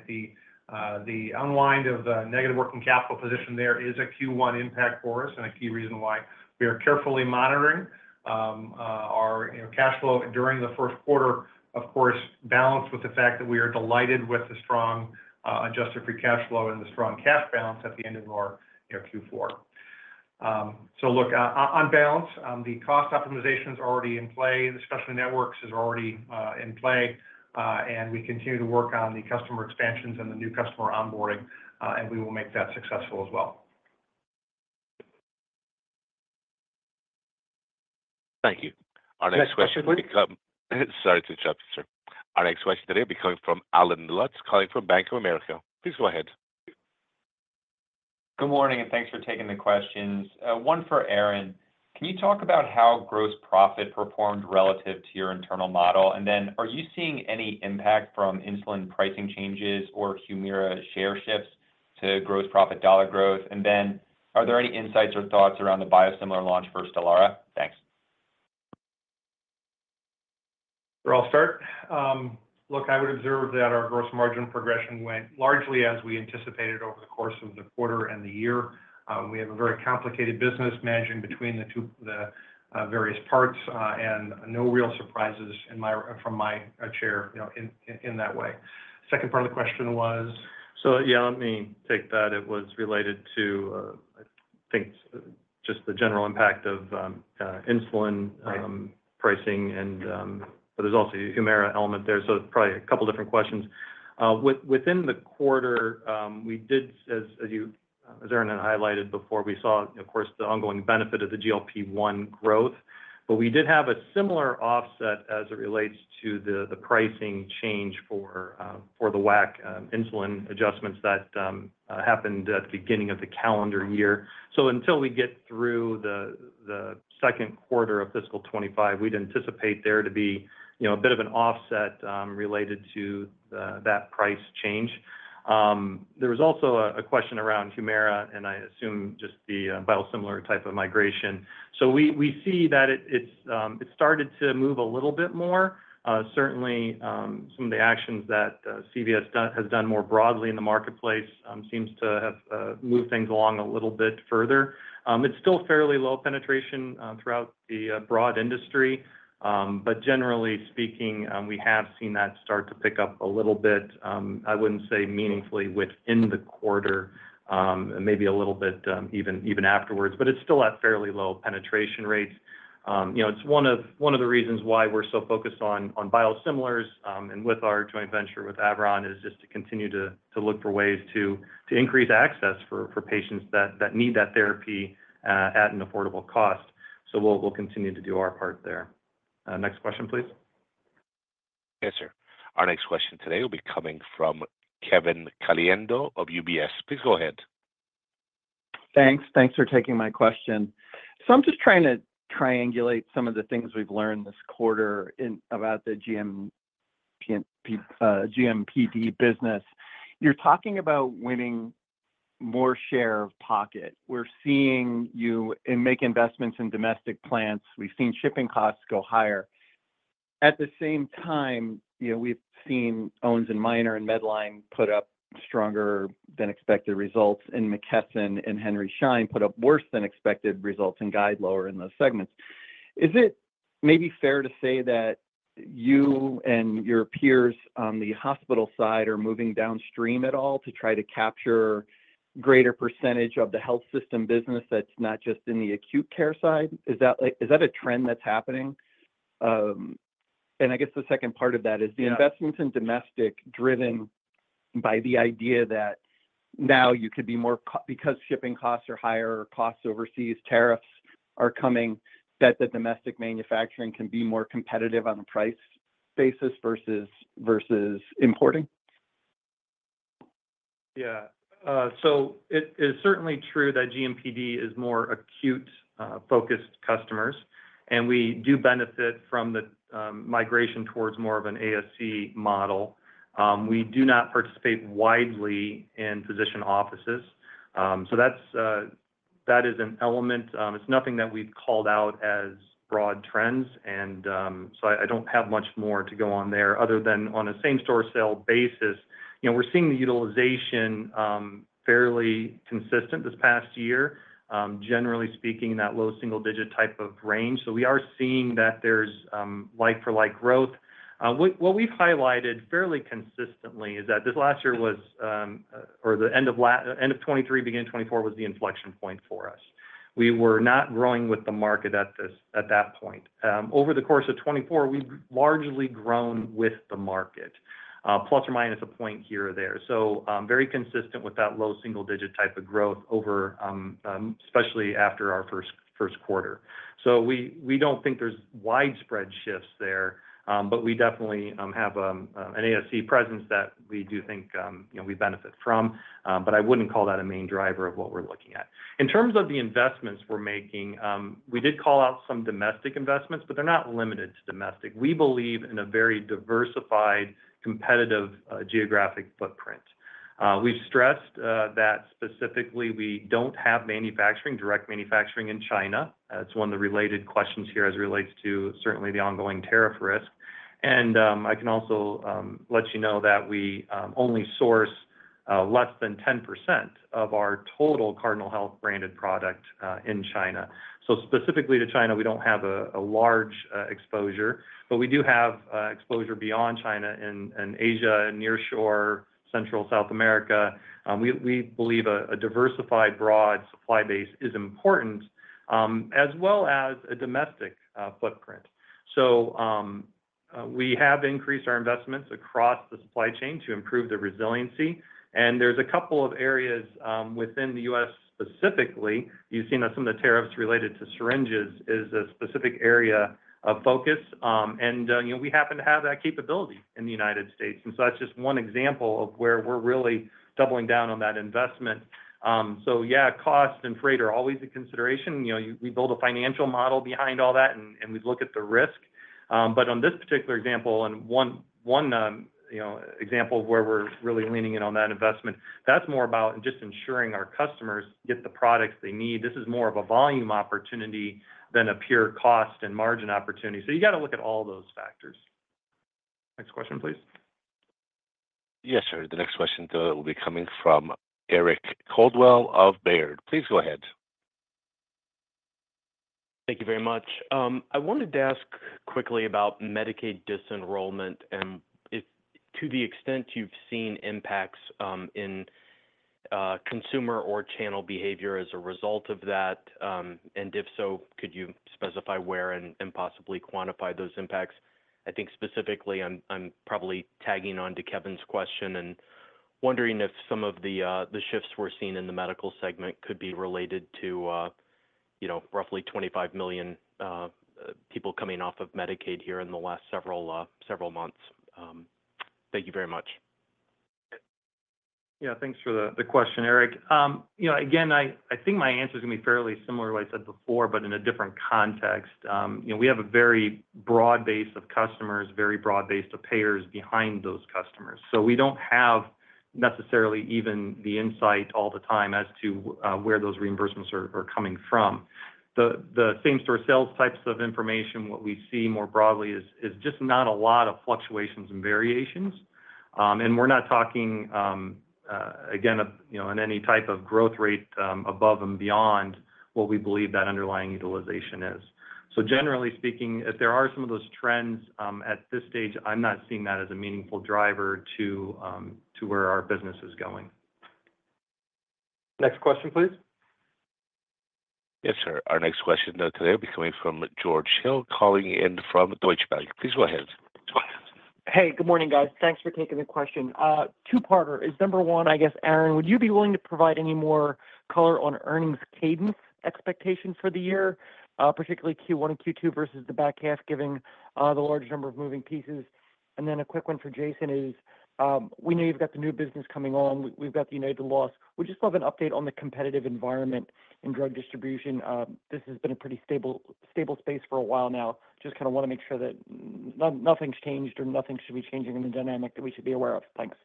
The unwind of the negative working capital position, there is a Q1 impact for us, and a key reason why we are carefully monitoring our, you know, cash flow during the first quarter, of course, balanced with the fact that we are delighted with the strong Adjusted Free Cash Flow and the strong cash balance at the end of our, you know, Q4. So look, on balance, the cost optimization is already in play, the Specialty Networks is already in play, and we continue to work on the customer expansions and the new customer onboarding, and we will make that successful as well. Thank you. Our next question- Next question, please. Sorry to interrupt you, sir. Our next question today will be coming from Allen Lutz, calling from Bank of America. Please go ahead. Good morning, and thanks for taking the questions. One for Aaron. Can you talk about how gross profit performed relative to your internal model? And then are you seeing any impact from insulin pricing changes or Humira share shifts to gross profit dollar growth? And then are there any insights or thoughts around the biosimilar launch for Stelara? Thanks. Sure, I'll start. Look, I would observe that our gross margin progression went largely as we anticipated over the course of the quarter and the year. We have a very complicated business managing between the two, the various parts, and no real surprises from my chair, you know, in that way. Second part of the question was? So, yeah, let me take that. It was related to, I think, just the general impact of insulin. Right... pricing and, but there's also a Humira element there, so probably a couple different questions. Within the quarter, we did, as, as you, as Aaron had highlighted before, we saw, of course, the ongoing benefit of the GLP-1 growth, but we did have a similar offset as it relates to the, the pricing change for, for the WAC, insulin adjustments that happened at the beginning of the calendar year. So until we get through the, the second quarter of fiscal 25, we'd anticipate there to be, you know, a bit of an offset, related to that price change. There was also a, a question around Humira, and I assume just the biosimilar type of migration. So we, we see that it, it's, it started to move a little bit more. Certainly, some of the actions that CVS done—has done more broadly in the marketplace seems to have moved things along a little bit further. It's still fairly low penetration throughout the broad industry, but generally speaking, we have seen that start to pick up a little bit. I wouldn't say meaningfully within the quarter, maybe a little bit even afterwards, but it's still at fairly low penetration rates. You know, it's one of the reasons why we're so focused on biosimilars, and with our joint venture with Averon, is just to continue to look for ways to increase access for patients that need that therapy at an affordable cost. So we'll continue to do our part there. Next question, please. Yes, sir. Our next question today will be coming from Kevin Caliendo of UBS. Please go ahead. Thanks. Thanks for taking my question. So I'm just trying to triangulate some of the things we've learned this quarter about the GMPD business. You're talking about winning more share of pocket. We're seeing you make investments in domestic plants. We've seen shipping costs go higher. At the same time, you know, we've seen Owens & Minor and Medline put up stronger than expected results, and McKesson and Henry Schein put up worse than expected results and guide lower in those segments. Is it maybe fair to say that you and your peers on the hospital side are moving downstream at all to try to capture greater percentage of the health system business that's not just in the acute care side? Is that, like, a trend that's happening? And I guess the second part of that is- Yeah... the investments in domestic, driven by the idea that now you could be more, because shipping costs are higher or costs overseas, tariffs are coming, that the domestic manufacturing can be more competitive on a price basis versus importing?... Yeah. So it is certainly true that GMPD is more acute focused customers, and we do benefit from the migration towards more of an ASC model. We do not participate widely in physician offices. So that's that is an element. It's nothing that we've called out as broad trends, and so I don't have much more to go on there other than on a same-store sale basis, you know, we're seeing the utilization fairly consistent this past year. Generally speaking, in that low single digit type of range. So we are seeing that there's like-for-like growth. What we've highlighted fairly consistently is that this last year was or the end of 2023, beginning of 2024, was the inflection point for us. We were not growing with the market at this, at that point. Over the course of 2024, we've largely grown with the market, plus or minus a point here or there. So, very consistent with that low single digit type of growth over, especially after our first quarter. So we don't think there's widespread shifts there, but we definitely have an ASC presence that we do think, you know, we benefit from. But I wouldn't call that a main driver of what we're looking at. In terms of the investments we're making, we did call out some domestic investments, but they're not limited to domestic. We believe in a very diversified, competitive, geographic footprint. We've stressed that specifically, we don't have manufacturing, direct manufacturing in China. That's one of the related questions here as it relates to certainly the ongoing tariff risk. I can also let you know that we only source less than 10% of our total Cardinal Health branded product in China. Specifically to China, we don't have a large exposure, but we do have exposure beyond China in Asia, nearshore, Central America, South America. We believe a diversified, broad supply base is important, as well as a domestic footprint. We have increased our investments across the supply chain to improve the resiliency, and there's a couple of areas within the U.S. specifically. You've seen that some of the tariffs related to syringes is a specific area of focus, and you know, we happen to have that capability in the United States. That's just one example of where we're really doubling down on that investment. So yeah, cost and freight are always a consideration. You know, we build a financial model behind all that, and we look at the risk. But on this particular example, and one example of where we're really leaning in on that investment, that's more about just ensuring our customers get the products they need. This is more of a volume opportunity than a pure cost and margin opportunity. You got to look at all those factors. Next question, please. Yes, sir. The next question will be coming from Eric Coldwell of Baird. Please go ahead. Thank you very much. I wanted to ask quickly about Medicaid disenrollment, and if to the extent you've seen impacts, in consumer or channel behavior as a result of that, and if so, could you specify where and possibly quantify those impacts? I think specifically, I'm probably tagging on to Kevin's question and wondering if some of the shifts we're seeing in the medical segment could be related to, you know, roughly 25 million people coming off of Medicaid here in the last several months. Thank you very much. Yeah, thanks for the question, Eric. You know, again, I think my answer is going to be fairly similar to what I said before, but in a different context. You know, we have a very broad base of customers, very broad base of payers behind those customers. So we don't have necessarily even the insight all the time as to where those reimbursements are coming from. The same-store sales types of information, what we see more broadly is just not a lot of fluctuations and variations. And we're not talking again, you know, in any type of growth rate above and beyond what we believe that underlying utilization is. Generally speaking, if there are some of those trends, at this stage, I'm not seeing that as a meaningful driver to to where our business is going. Next question, please. Yes, sir. Our next question today will be coming from George Hill, calling in from Deutsche Bank. Please go ahead. Hey, good morning, guys. Thanks for taking the question. Two-parter is, number one, I guess, Aaron, would you be willing to provide any more color on earnings cadence expectations for the year, particularly Q1 and Q2 versus the back half, giving the large number of moving pieces? And then a quick one for Jason is, we know you've got the new business coming on. We've got the United loss. Would you just love an update on the competitive environment in drug distribution? This has been a pretty stable, stable space for a while now. Just kind of want to make sure that nothing's changed or nothing should be changing in the dynamic that we should be aware of. Thanks.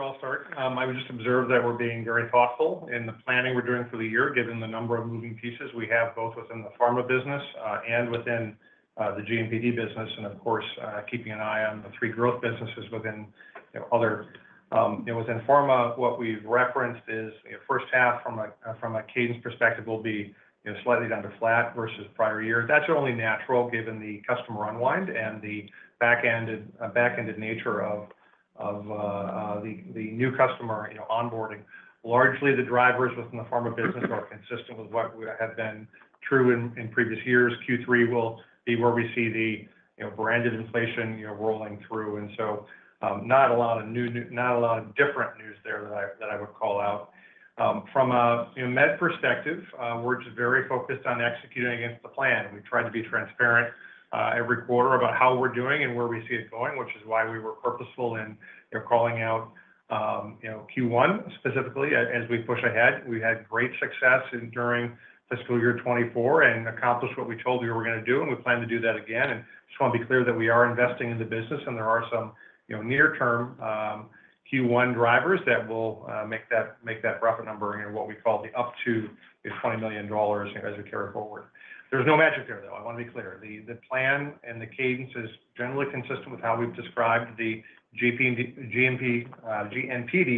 I'll start. I would just observe that we're being very thoughtful in the planning we're doing for the year, given the number of moving pieces we have, both within the pharma business, and within the GMPD business, and of course, keeping an eye on the three growth businesses within, you know, pharma. Within pharma, what we've referenced is, first half from a cadence perspective, will be, you know, slightly down to flat versus prior year. That's only natural, given the customer unwind and the back-ended nature of the new customer, you know, onboarding. Largely, the drivers within the pharma business are consistent with what would have been true in previous years. Q3 will be where we see the, you know, branded inflation, you know, rolling through. Not a lot of different news there that I would call out.... From a, you know, med perspective, we're just very focused on executing against the plan. We've tried to be transparent every quarter about how we're doing and where we see it going, which is why we were purposeful in, you know, calling out you know, Q1 specifically as we push ahead. We had great success during fiscal year 2024 and accomplished what we told you we were gonna do, and we plan to do that again. And just wanna be clear that we are investing in the business, and there are some, you know, near-term Q1 drivers that will make that profit number what we call up to $20 million as we carry forward. There's no magic there, though. I wanna be clear. The plan and the cadence is generally consistent with how we've described the GMPD,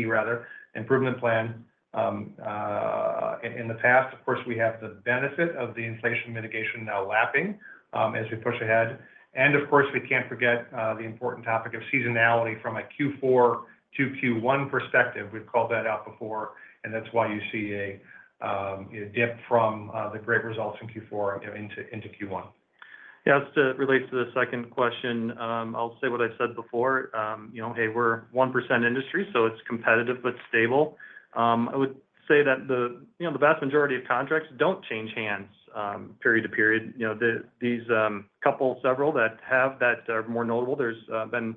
rather, improvement plan in the past. Of course, we have the benefit of the inflation mitigation now lapping as we push ahead. And of course, we can't forget the important topic of seasonality from a Q4 to Q1 perspective. We've called that out before, and that's why you see a dip from the great results in Q4, you know, into Q1. Yeah, as it relates to the second question, I'll say what I said before. You know, hey, we're 1% industry, so it's competitive but stable. I would say that the, you know, the vast majority of contracts don't change hands, period to period. You know, the, these, couple, several that have that are more notable, there's, been,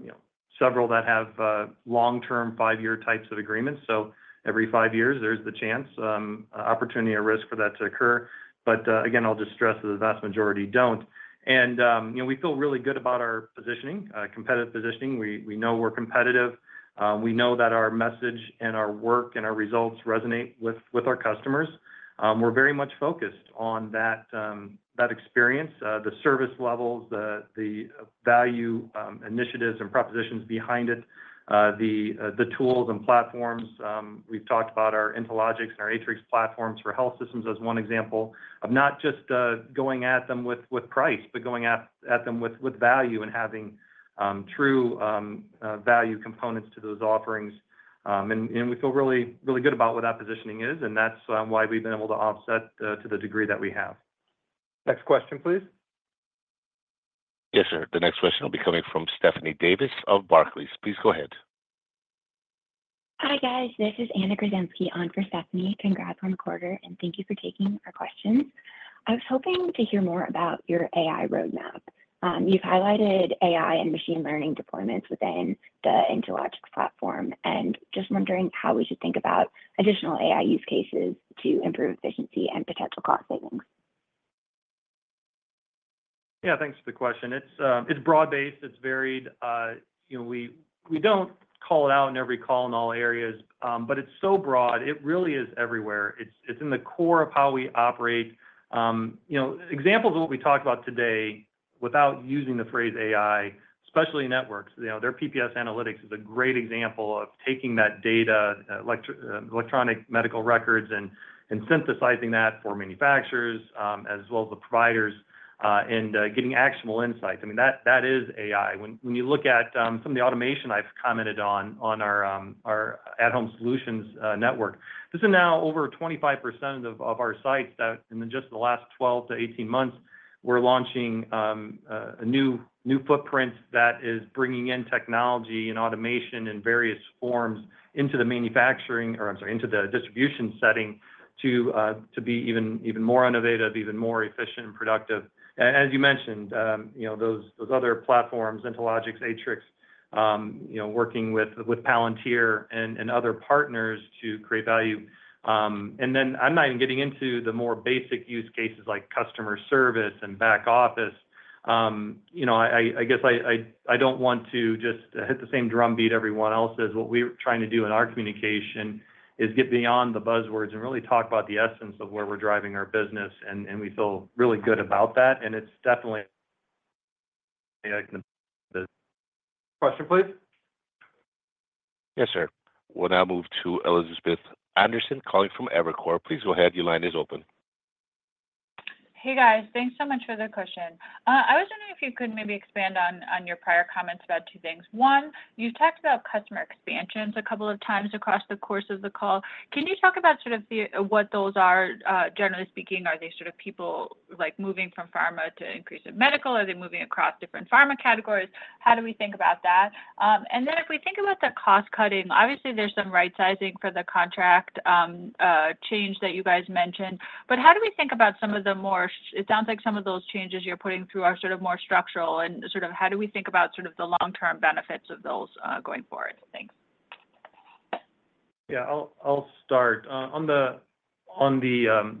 you know, several that have, long-term, 5-year types of agreements. So every 5 years, there's the chance, opportunity or risk for that to occur. But, again, I'll just stress that the vast majority don't. And, you know, we feel really good about our positioning, competitive positioning. We know we're competitive. We know that our message and our work and our results resonate with our customers. We're very much focused on that, that experience, the service levels, the value initiatives and propositions behind it, the tools and platforms. We've talked about our InteLogix and our Atrix platforms for health systems as one example of not just going at them with price, but going at them with value and having true value components to those offerings. And we feel really, really good about what that positioning is, and that's why we've been able to offset to the degree that we have. Next question, please. Yes, sir. The next question will be coming from Stephanie Davis of Barclays. Please go ahead. Hi, guys. This is Anna Kruszenski on for Stephanie. Congrats on the quarter, and thank you for taking our questions. I was hoping to hear more about your AI roadmap. You've highlighted AI and machine learning deployments within the InteLogix platform, and just wondering how we should think about additional AI use cases to improve efficiency and potential cost savings. Yeah, thanks for the question. It's broad-based, it's varied. You know, we, we don't call it out in every call in all areas, but it's so broad, it really is everywhere. It's in the core of how we operate. You know, examples of what we talked about today without using the phrase AI, Specialty Networks, you know, their PPS Analytics is a great example of taking that data, electronic medical records and synthesizing that for manufacturers, as well as the providers, and getting actionable insights. I mean, that is AI. When you look at some of the automation I've commented on our at-Home Solutions network, this is now over 25% of our sites that in just the last 12-18 months, we're launching a new footprint that is bringing in technology and automation in various forms into the manufacturing, or I'm sorry, into the distribution setting, to be even more innovative, even more efficient and productive. As you mentioned, you know, those other platforms, InteLogix, Atrix, you know, working with Palantir and other partners to create value. And then I'm not even getting into the more basic use cases like customer service and back office. You know, I guess I don't want to just hit the same drum beat everyone else is. What we're trying to do in our communication is get beyond the buzzwords and really talk about the essence of where we're driving our business, and we feel really good about that, and it's definitely... Question, please. Yes, sir. We'll now move to Elizabeth Anderson, calling from Evercore. Please go ahead. Your line is open. Hey, guys. Thanks so much for the question. I was wondering if you could maybe expand on your prior comments about two things. One, you talked about customer expansions a couple of times across the course of the call. Can you talk about sort of the, what those are, generally speaking? Are they sort of people, like, moving from pharma to increase in medical? Are they moving across different pharma categories? How do we think about that? And then if we think about the cost cutting, obviously, there's some right sizing for the contract change that you guys mentioned, but how do we think about some of the more. It sounds like some of those changes you're putting through are sort of more structural, and sort of how do we think about sort of the long-term benefits of those going forward? Thanks. Yeah, I'll start. On the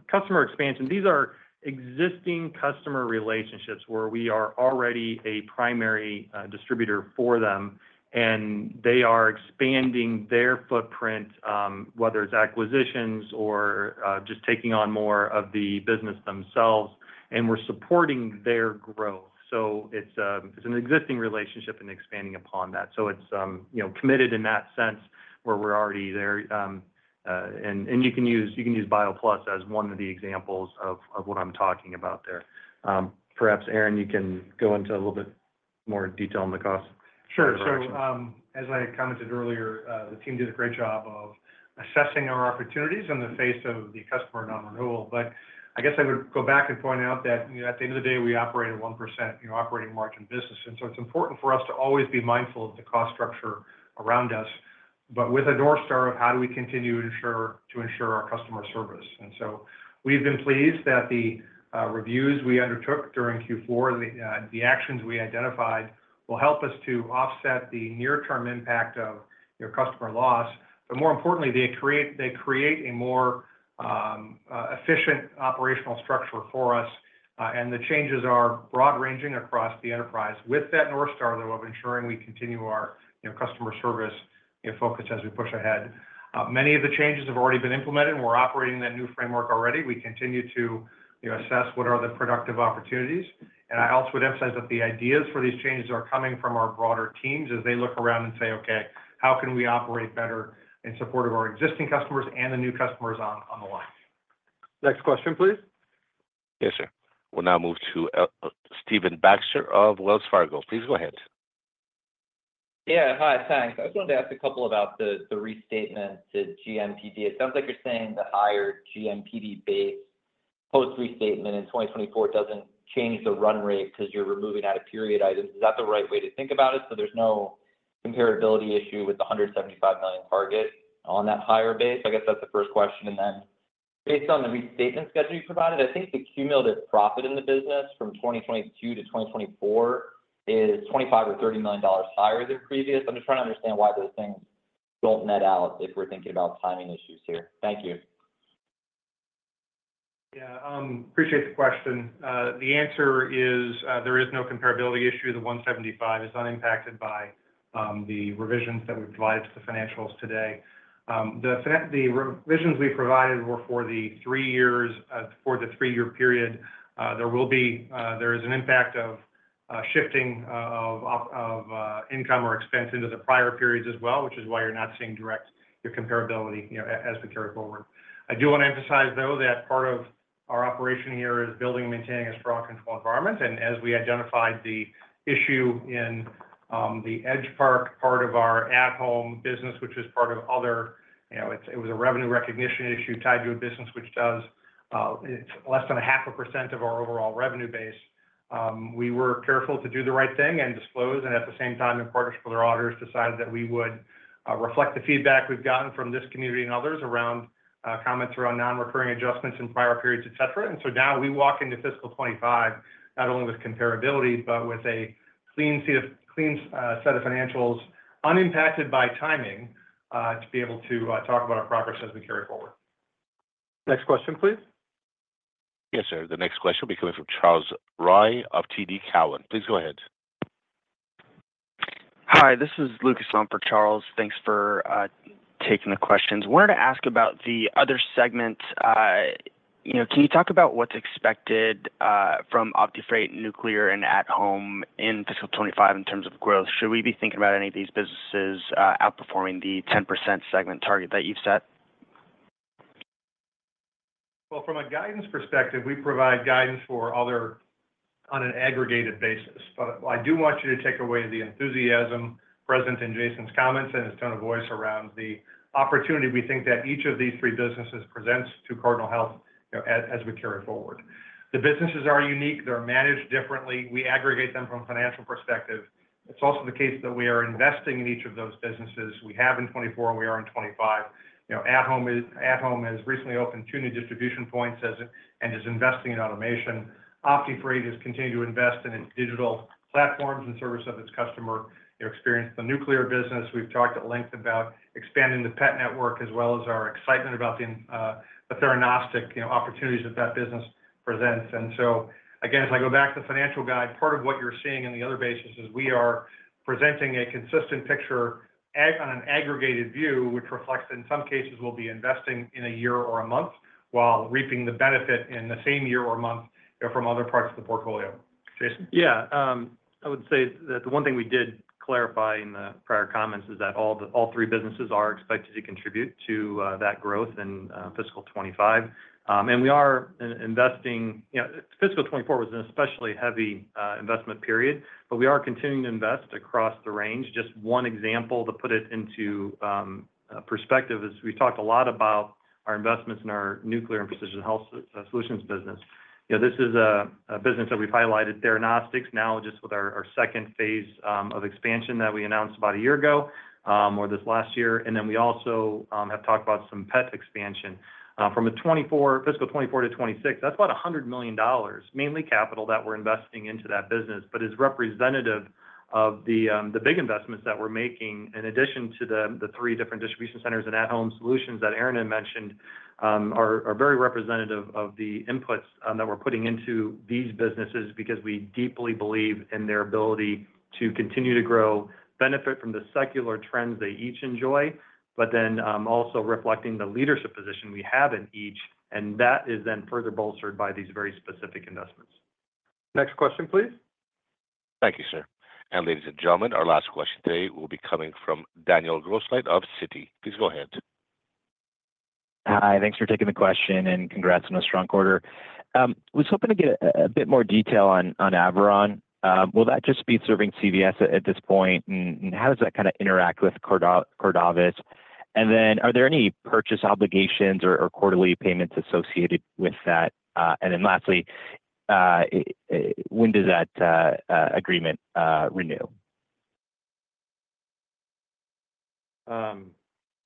customer expansion, these are existing customer relationships where we are already a primary distributor for them, and they are expanding their footprint, whether it's acquisitions or just taking on more of the business themselves, and we're supporting their growth. So it's an existing relationship and expanding upon that. So it's, you know, committed in that sense where we're already there. And you can use BioPlus as one of the examples of what I'm talking about there. Perhaps, Aaron, you can go into a little bit more detail on the cost. Sure. So, as I commented earlier, the team did a great job of assessing our opportunities in the face of the customer non-renewal. But I guess I would go back and point out that, you know, at the end of the day, we operate a 1% operating margin business, and so it's important for us to always be mindful of the cost structure around us.... But with a north star of how do we continue to ensure, to ensure our customer service? And so we've been pleased that the reviews we undertook during Q4, the actions we identified will help us to offset the near-term impact of, you know, customer loss. But more importantly, they create, they create a more efficient operational structure for us, and the changes are broad-ranging across the enterprise. With that north star, though, of ensuring we continue our, you know, customer service, you know, focus as we push ahead. Many of the changes have already been implemented, and we're operating that new framework already. We continue to, you know, assess what are the productive opportunities. And I also would emphasize that the ideas for these changes are coming from our broader teams as they look around and say, "Okay, how can we operate better in support of our existing customers and the new customers on, on the line? Next question, please. Yes, sir. We'll now move to Stephen Baxter of Wells Fargo. Please go ahead. Yeah. Hi, thanks. I just wanted to ask a couple about the restatement to GMPD. It sounds like you're saying the higher GMPD base post-restatement in 2024 doesn't change the run rate because you're removing out-of-period items. Is that the right way to think about it? So there's no comparability issue with the $175 million target on that higher base. I guess that's the first question, and then based on the restatement schedule you provided, I think the cumulative profit in the business from 2022-2024 is $25 or $30 million higher than previous. I'm just trying to understand why those things don't net out if we're thinking about timing issues here. Thank you. Yeah. Appreciate the question. The answer is, there is no comparability issue. The $175 is unimpacted by, the revisions that we've provided to the financials today. The revisions we provided were for the three years, for the three-year period. There will be, there is an impact of, shifting of income or expense into the prior periods as well, which is why you're not seeing direct-- your comparability, you know, as we carry forward. I do want to emphasize, though, that part of our operation here is building and maintaining a strong control environment. As we identified the issue in the Edgepark, part of our at-home business, which is part of other... You know, it, it was a revenue recognition issue tied to a business which does, it's less than 0.5% of our overall revenue base. We were careful to do the right thing and disclose, and at the same time, in partnership with our auditors, decided that we would reflect the feedback we've gotten from this community and others around, comments around non-recurring adjustments in prior periods, et cetera. And so now we walk into fiscal 2025, not only with comparability, but with a clean set of, clean, set of financials, unimpacted by timing, to be able to talk about our progress as we carry forward. Next question, please. Yes, sir. The next question will be coming from Charles Rhyee of TD Cowen. Please go ahead. Hi, this is Lucas Romanski for Charles Rhyee. Thanks for taking the questions. Wanted to ask about the other segment. You know, can you talk about what's expected from OptiFreight, Nuclear, and at-Home in fiscal 2025 in terms of growth? Should we be thinking about any of these businesses outperforming the 10% segment target that you've set? Well, from a guidance perspective, we provide guidance for other on an aggregated basis. But I do want you to take away the enthusiasm present in Jason's comments and his tone of voice around the opportunity we think that each of these three businesses presents to Cardinal Health, you know, as, as we carry forward. The businesses are unique. They're managed differently. We aggregate them from a financial perspective. It's also the case that we are investing in each of those businesses. We have in 2024, and we are in 2025. You know, at-Home is—at-Home has recently opened two new distribution points as it—and is investing in automation. OptiFreight has continued to invest in its digital platforms and service of its customer, you know, experience. The nuclear business, we've talked at length about expanding the PET network as well as our excitement about the theranostics, you know, opportunities that that business presents. And so, again, as I go back to the financial guide, part of what you're seeing in the other bases is we are presenting a consistent picture on an aggregated view, which reflects, in some cases, we'll be investing in a year or a month, while reaping the benefit in the same year or month, you know, from other parts of the portfolio. Jason? Yeah, I would say that the one thing we did clarify in the prior comments is that all three businesses are expected to contribute to that growth in fiscal 2025. And we are investing. You know, fiscal 2024 was an especially heavy investment period, but we are continuing to invest across the range. Just one example, to put it into perspective, is we've talked a lot about our investments in our nuclear and precision health solutions business. You know, this is a business that we've highlighted, theranostics, now just with our second phase of expansion that we announced about a year ago or this last year. And then we also have talked about some PET expansion. From 2024, fiscal 2024-2026, that's about $100 million, mainly capital, that we're investing into that business. But it's representative of the big investments that we're making, in addition to the three different distribution centers and at-Home Solutions that Aaron had mentioned, are very representative of the inputs that we're putting into these businesses because we deeply believe in their ability to continue to grow, benefit from the secular trends they each enjoy, but then also reflecting the leadership position we have in each, and that is then further bolstered by these very specific investments. Next question, please. Thank you, sir. Ladies and gentlemen, our last question today will be coming from Daniel Grosslight of Citi. Please go ahead. Hi, thanks for taking the question, and congrats on a strong quarter. Was hoping to get a bit more detail on Averon. Will that just be serving CVS at this point, and how does that kinda interact with Corda- Cordavis? And then, are there any purchase obligations or quarterly payments associated with that? And then lastly, when does that agreement renew?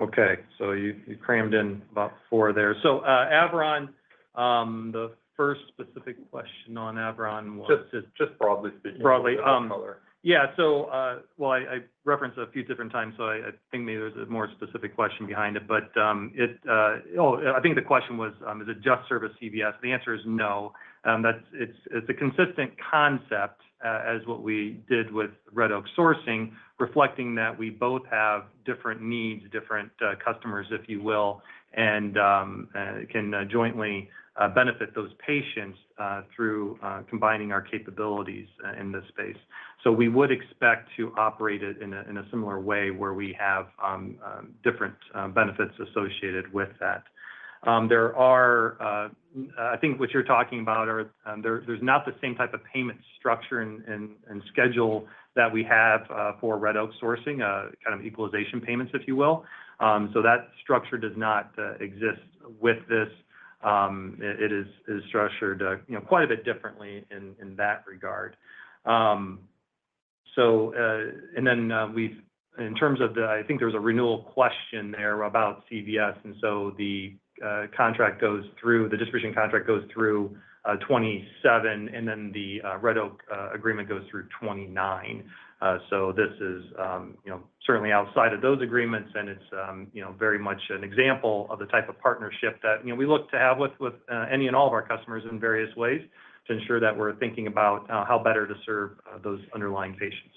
Okay, so you, you crammed in about four there. So, Averon, the first specific question on Averon was- Just, just broadly speaking. Broadly, um- High level. Yeah. So, well, I referenced it a few different times, so I think maybe there's a more specific question behind it. But. Oh, I think the question was, is it just serve CVS? The answer is no. That's—it's a consistent concept as what we did with Red Oak Sourcing, reflecting that we both have different needs, different customers, if you will, and can jointly benefit those patients through combining our capabilities in this space. So we would expect to operate it in a similar way where we have different benefits associated with that. I think what you're talking about is, there's not the same type of payment structure and schedule that we have for Red Oak Sourcing, kind of equalization payments, if you will. So that structure does not exist with this. It is structured, you know, quite a bit differently in that regard. So, and then, we've. In terms of the... I think there was a renewal question there about CVS, and so the distribution contract goes through 2027, and then the Red Oak agreement goes through 2029. So this is, you know, certainly outside of those agreements, and it's, you know, very much an example of the type of partnership that, you know, we look to have with, with, any and all of our customers in various ways, to ensure that we're thinking about, how better to serve, those underlying patients.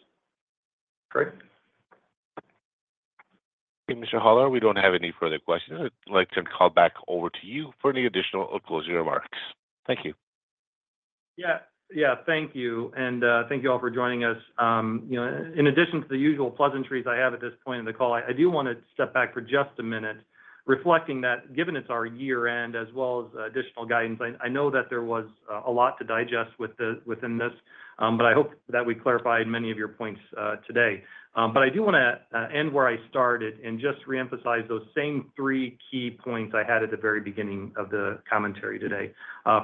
Greg? Okay, Mr. Hollar, we don't have any further questions. I'd like to call back over to you for any additional or closing remarks. Thank you. Yeah. Yeah, thank you, and, thank you all for joining us. You know, in addition to the usual pleasantries I have at this point in the call, I do want to step back for just a minute, reflecting that given it's our year-end, as well as additional guidance, I know that there was a lot to digest with the within this, but I hope that we clarified many of your points, today. But I do wanna end where I started and just reemphasize those same three key points I had at the very beginning of the commentary today.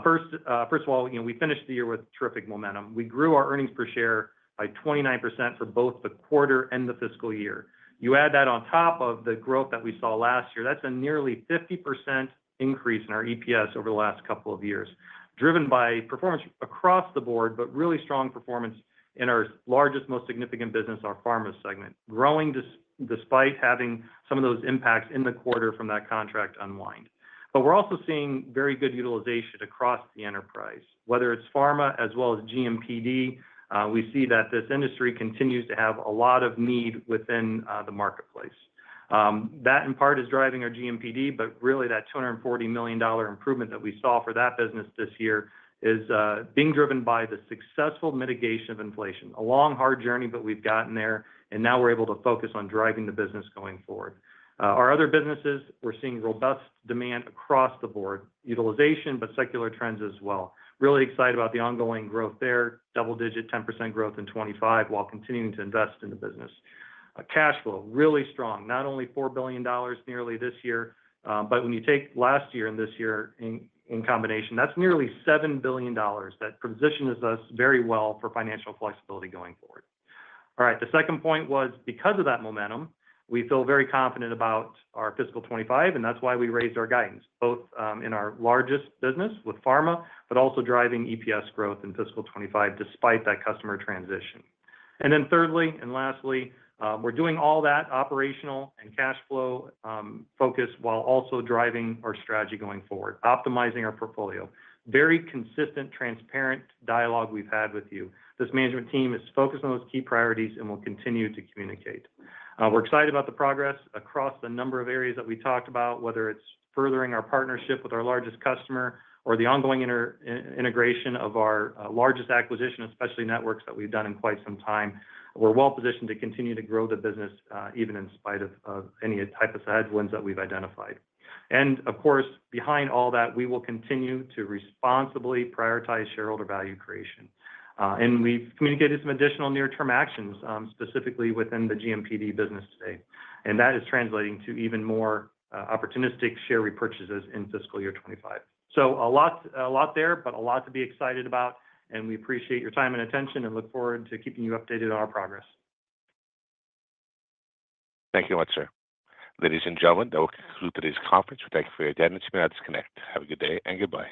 First, first of all, you know, we finished the year with terrific momentum. We grew our earnings per share by 29% for both the quarter and the fiscal year. You add that on top of the growth that we saw last year, that's a nearly 50% increase in our EPS over the last couple of years, driven by performance across the board, but really strong performance in our largest, most significant business, our pharma segment. Growing despite having some of those impacts in the quarter from that contract unwind. But we're also seeing very good utilization across the enterprise, whether it's pharma as well as GMPD. We see that this industry continues to have a lot of need within the marketplace. That, in part, is driving our GMPD, but really, that $240 million improvement that we saw for that business this year is being driven by the successful mitigation of inflation. A long, hard journey, but we've gotten there, and now we're able to focus on driving the business going forward. Our other businesses, we're seeing robust demand across the board, utilization, but secular trends as well. Really excited about the ongoing growth there. Double-digit, 10% growth in 25, while continuing to invest in the business. Cash flow, really strong. Not only $4 billion nearly this year, but when you take last year and this year in combination, that's nearly $7 billion. That positions us very well for financial flexibility going forward. All right, the second point was, because of that momentum, we feel very confident about our fiscal 25, and that's why we raised our guidance, both in our largest business with pharma, but also driving EPS growth in fiscal 25, despite that customer transition. And then thirdly and lastly, we're doing all that operational and cash flow focus, while also driving our strategy going forward, optimizing our portfolio. Very consistent, transparent dialogue we've had with you. This management team is focused on those key priorities and will continue to communicate. We're excited about the progress across the number of areas that we talked about, whether it's furthering our partnership with our largest customer or the ongoing integration of our largest acquisition, Specialty Networks, that we've done in quite some time. We're well positioned to continue to grow the business, even in spite of any type of headwinds that we've identified. And of course, behind all that, we will continue to responsibly prioritize shareholder value creation. We've communicated some additional near-term actions, specifically within the GMPD business today, and that is translating to even more opportunistic share repurchases in fiscal year 2025. A lot, a lot there, but a lot to be excited about, and we appreciate your time and attention and look forward to keeping you updated on our progress. Thank you much, sir. Ladies and gentlemen, that will conclude today's conference. We thank you for your attendance. You may disconnect. Have a good day and goodbye.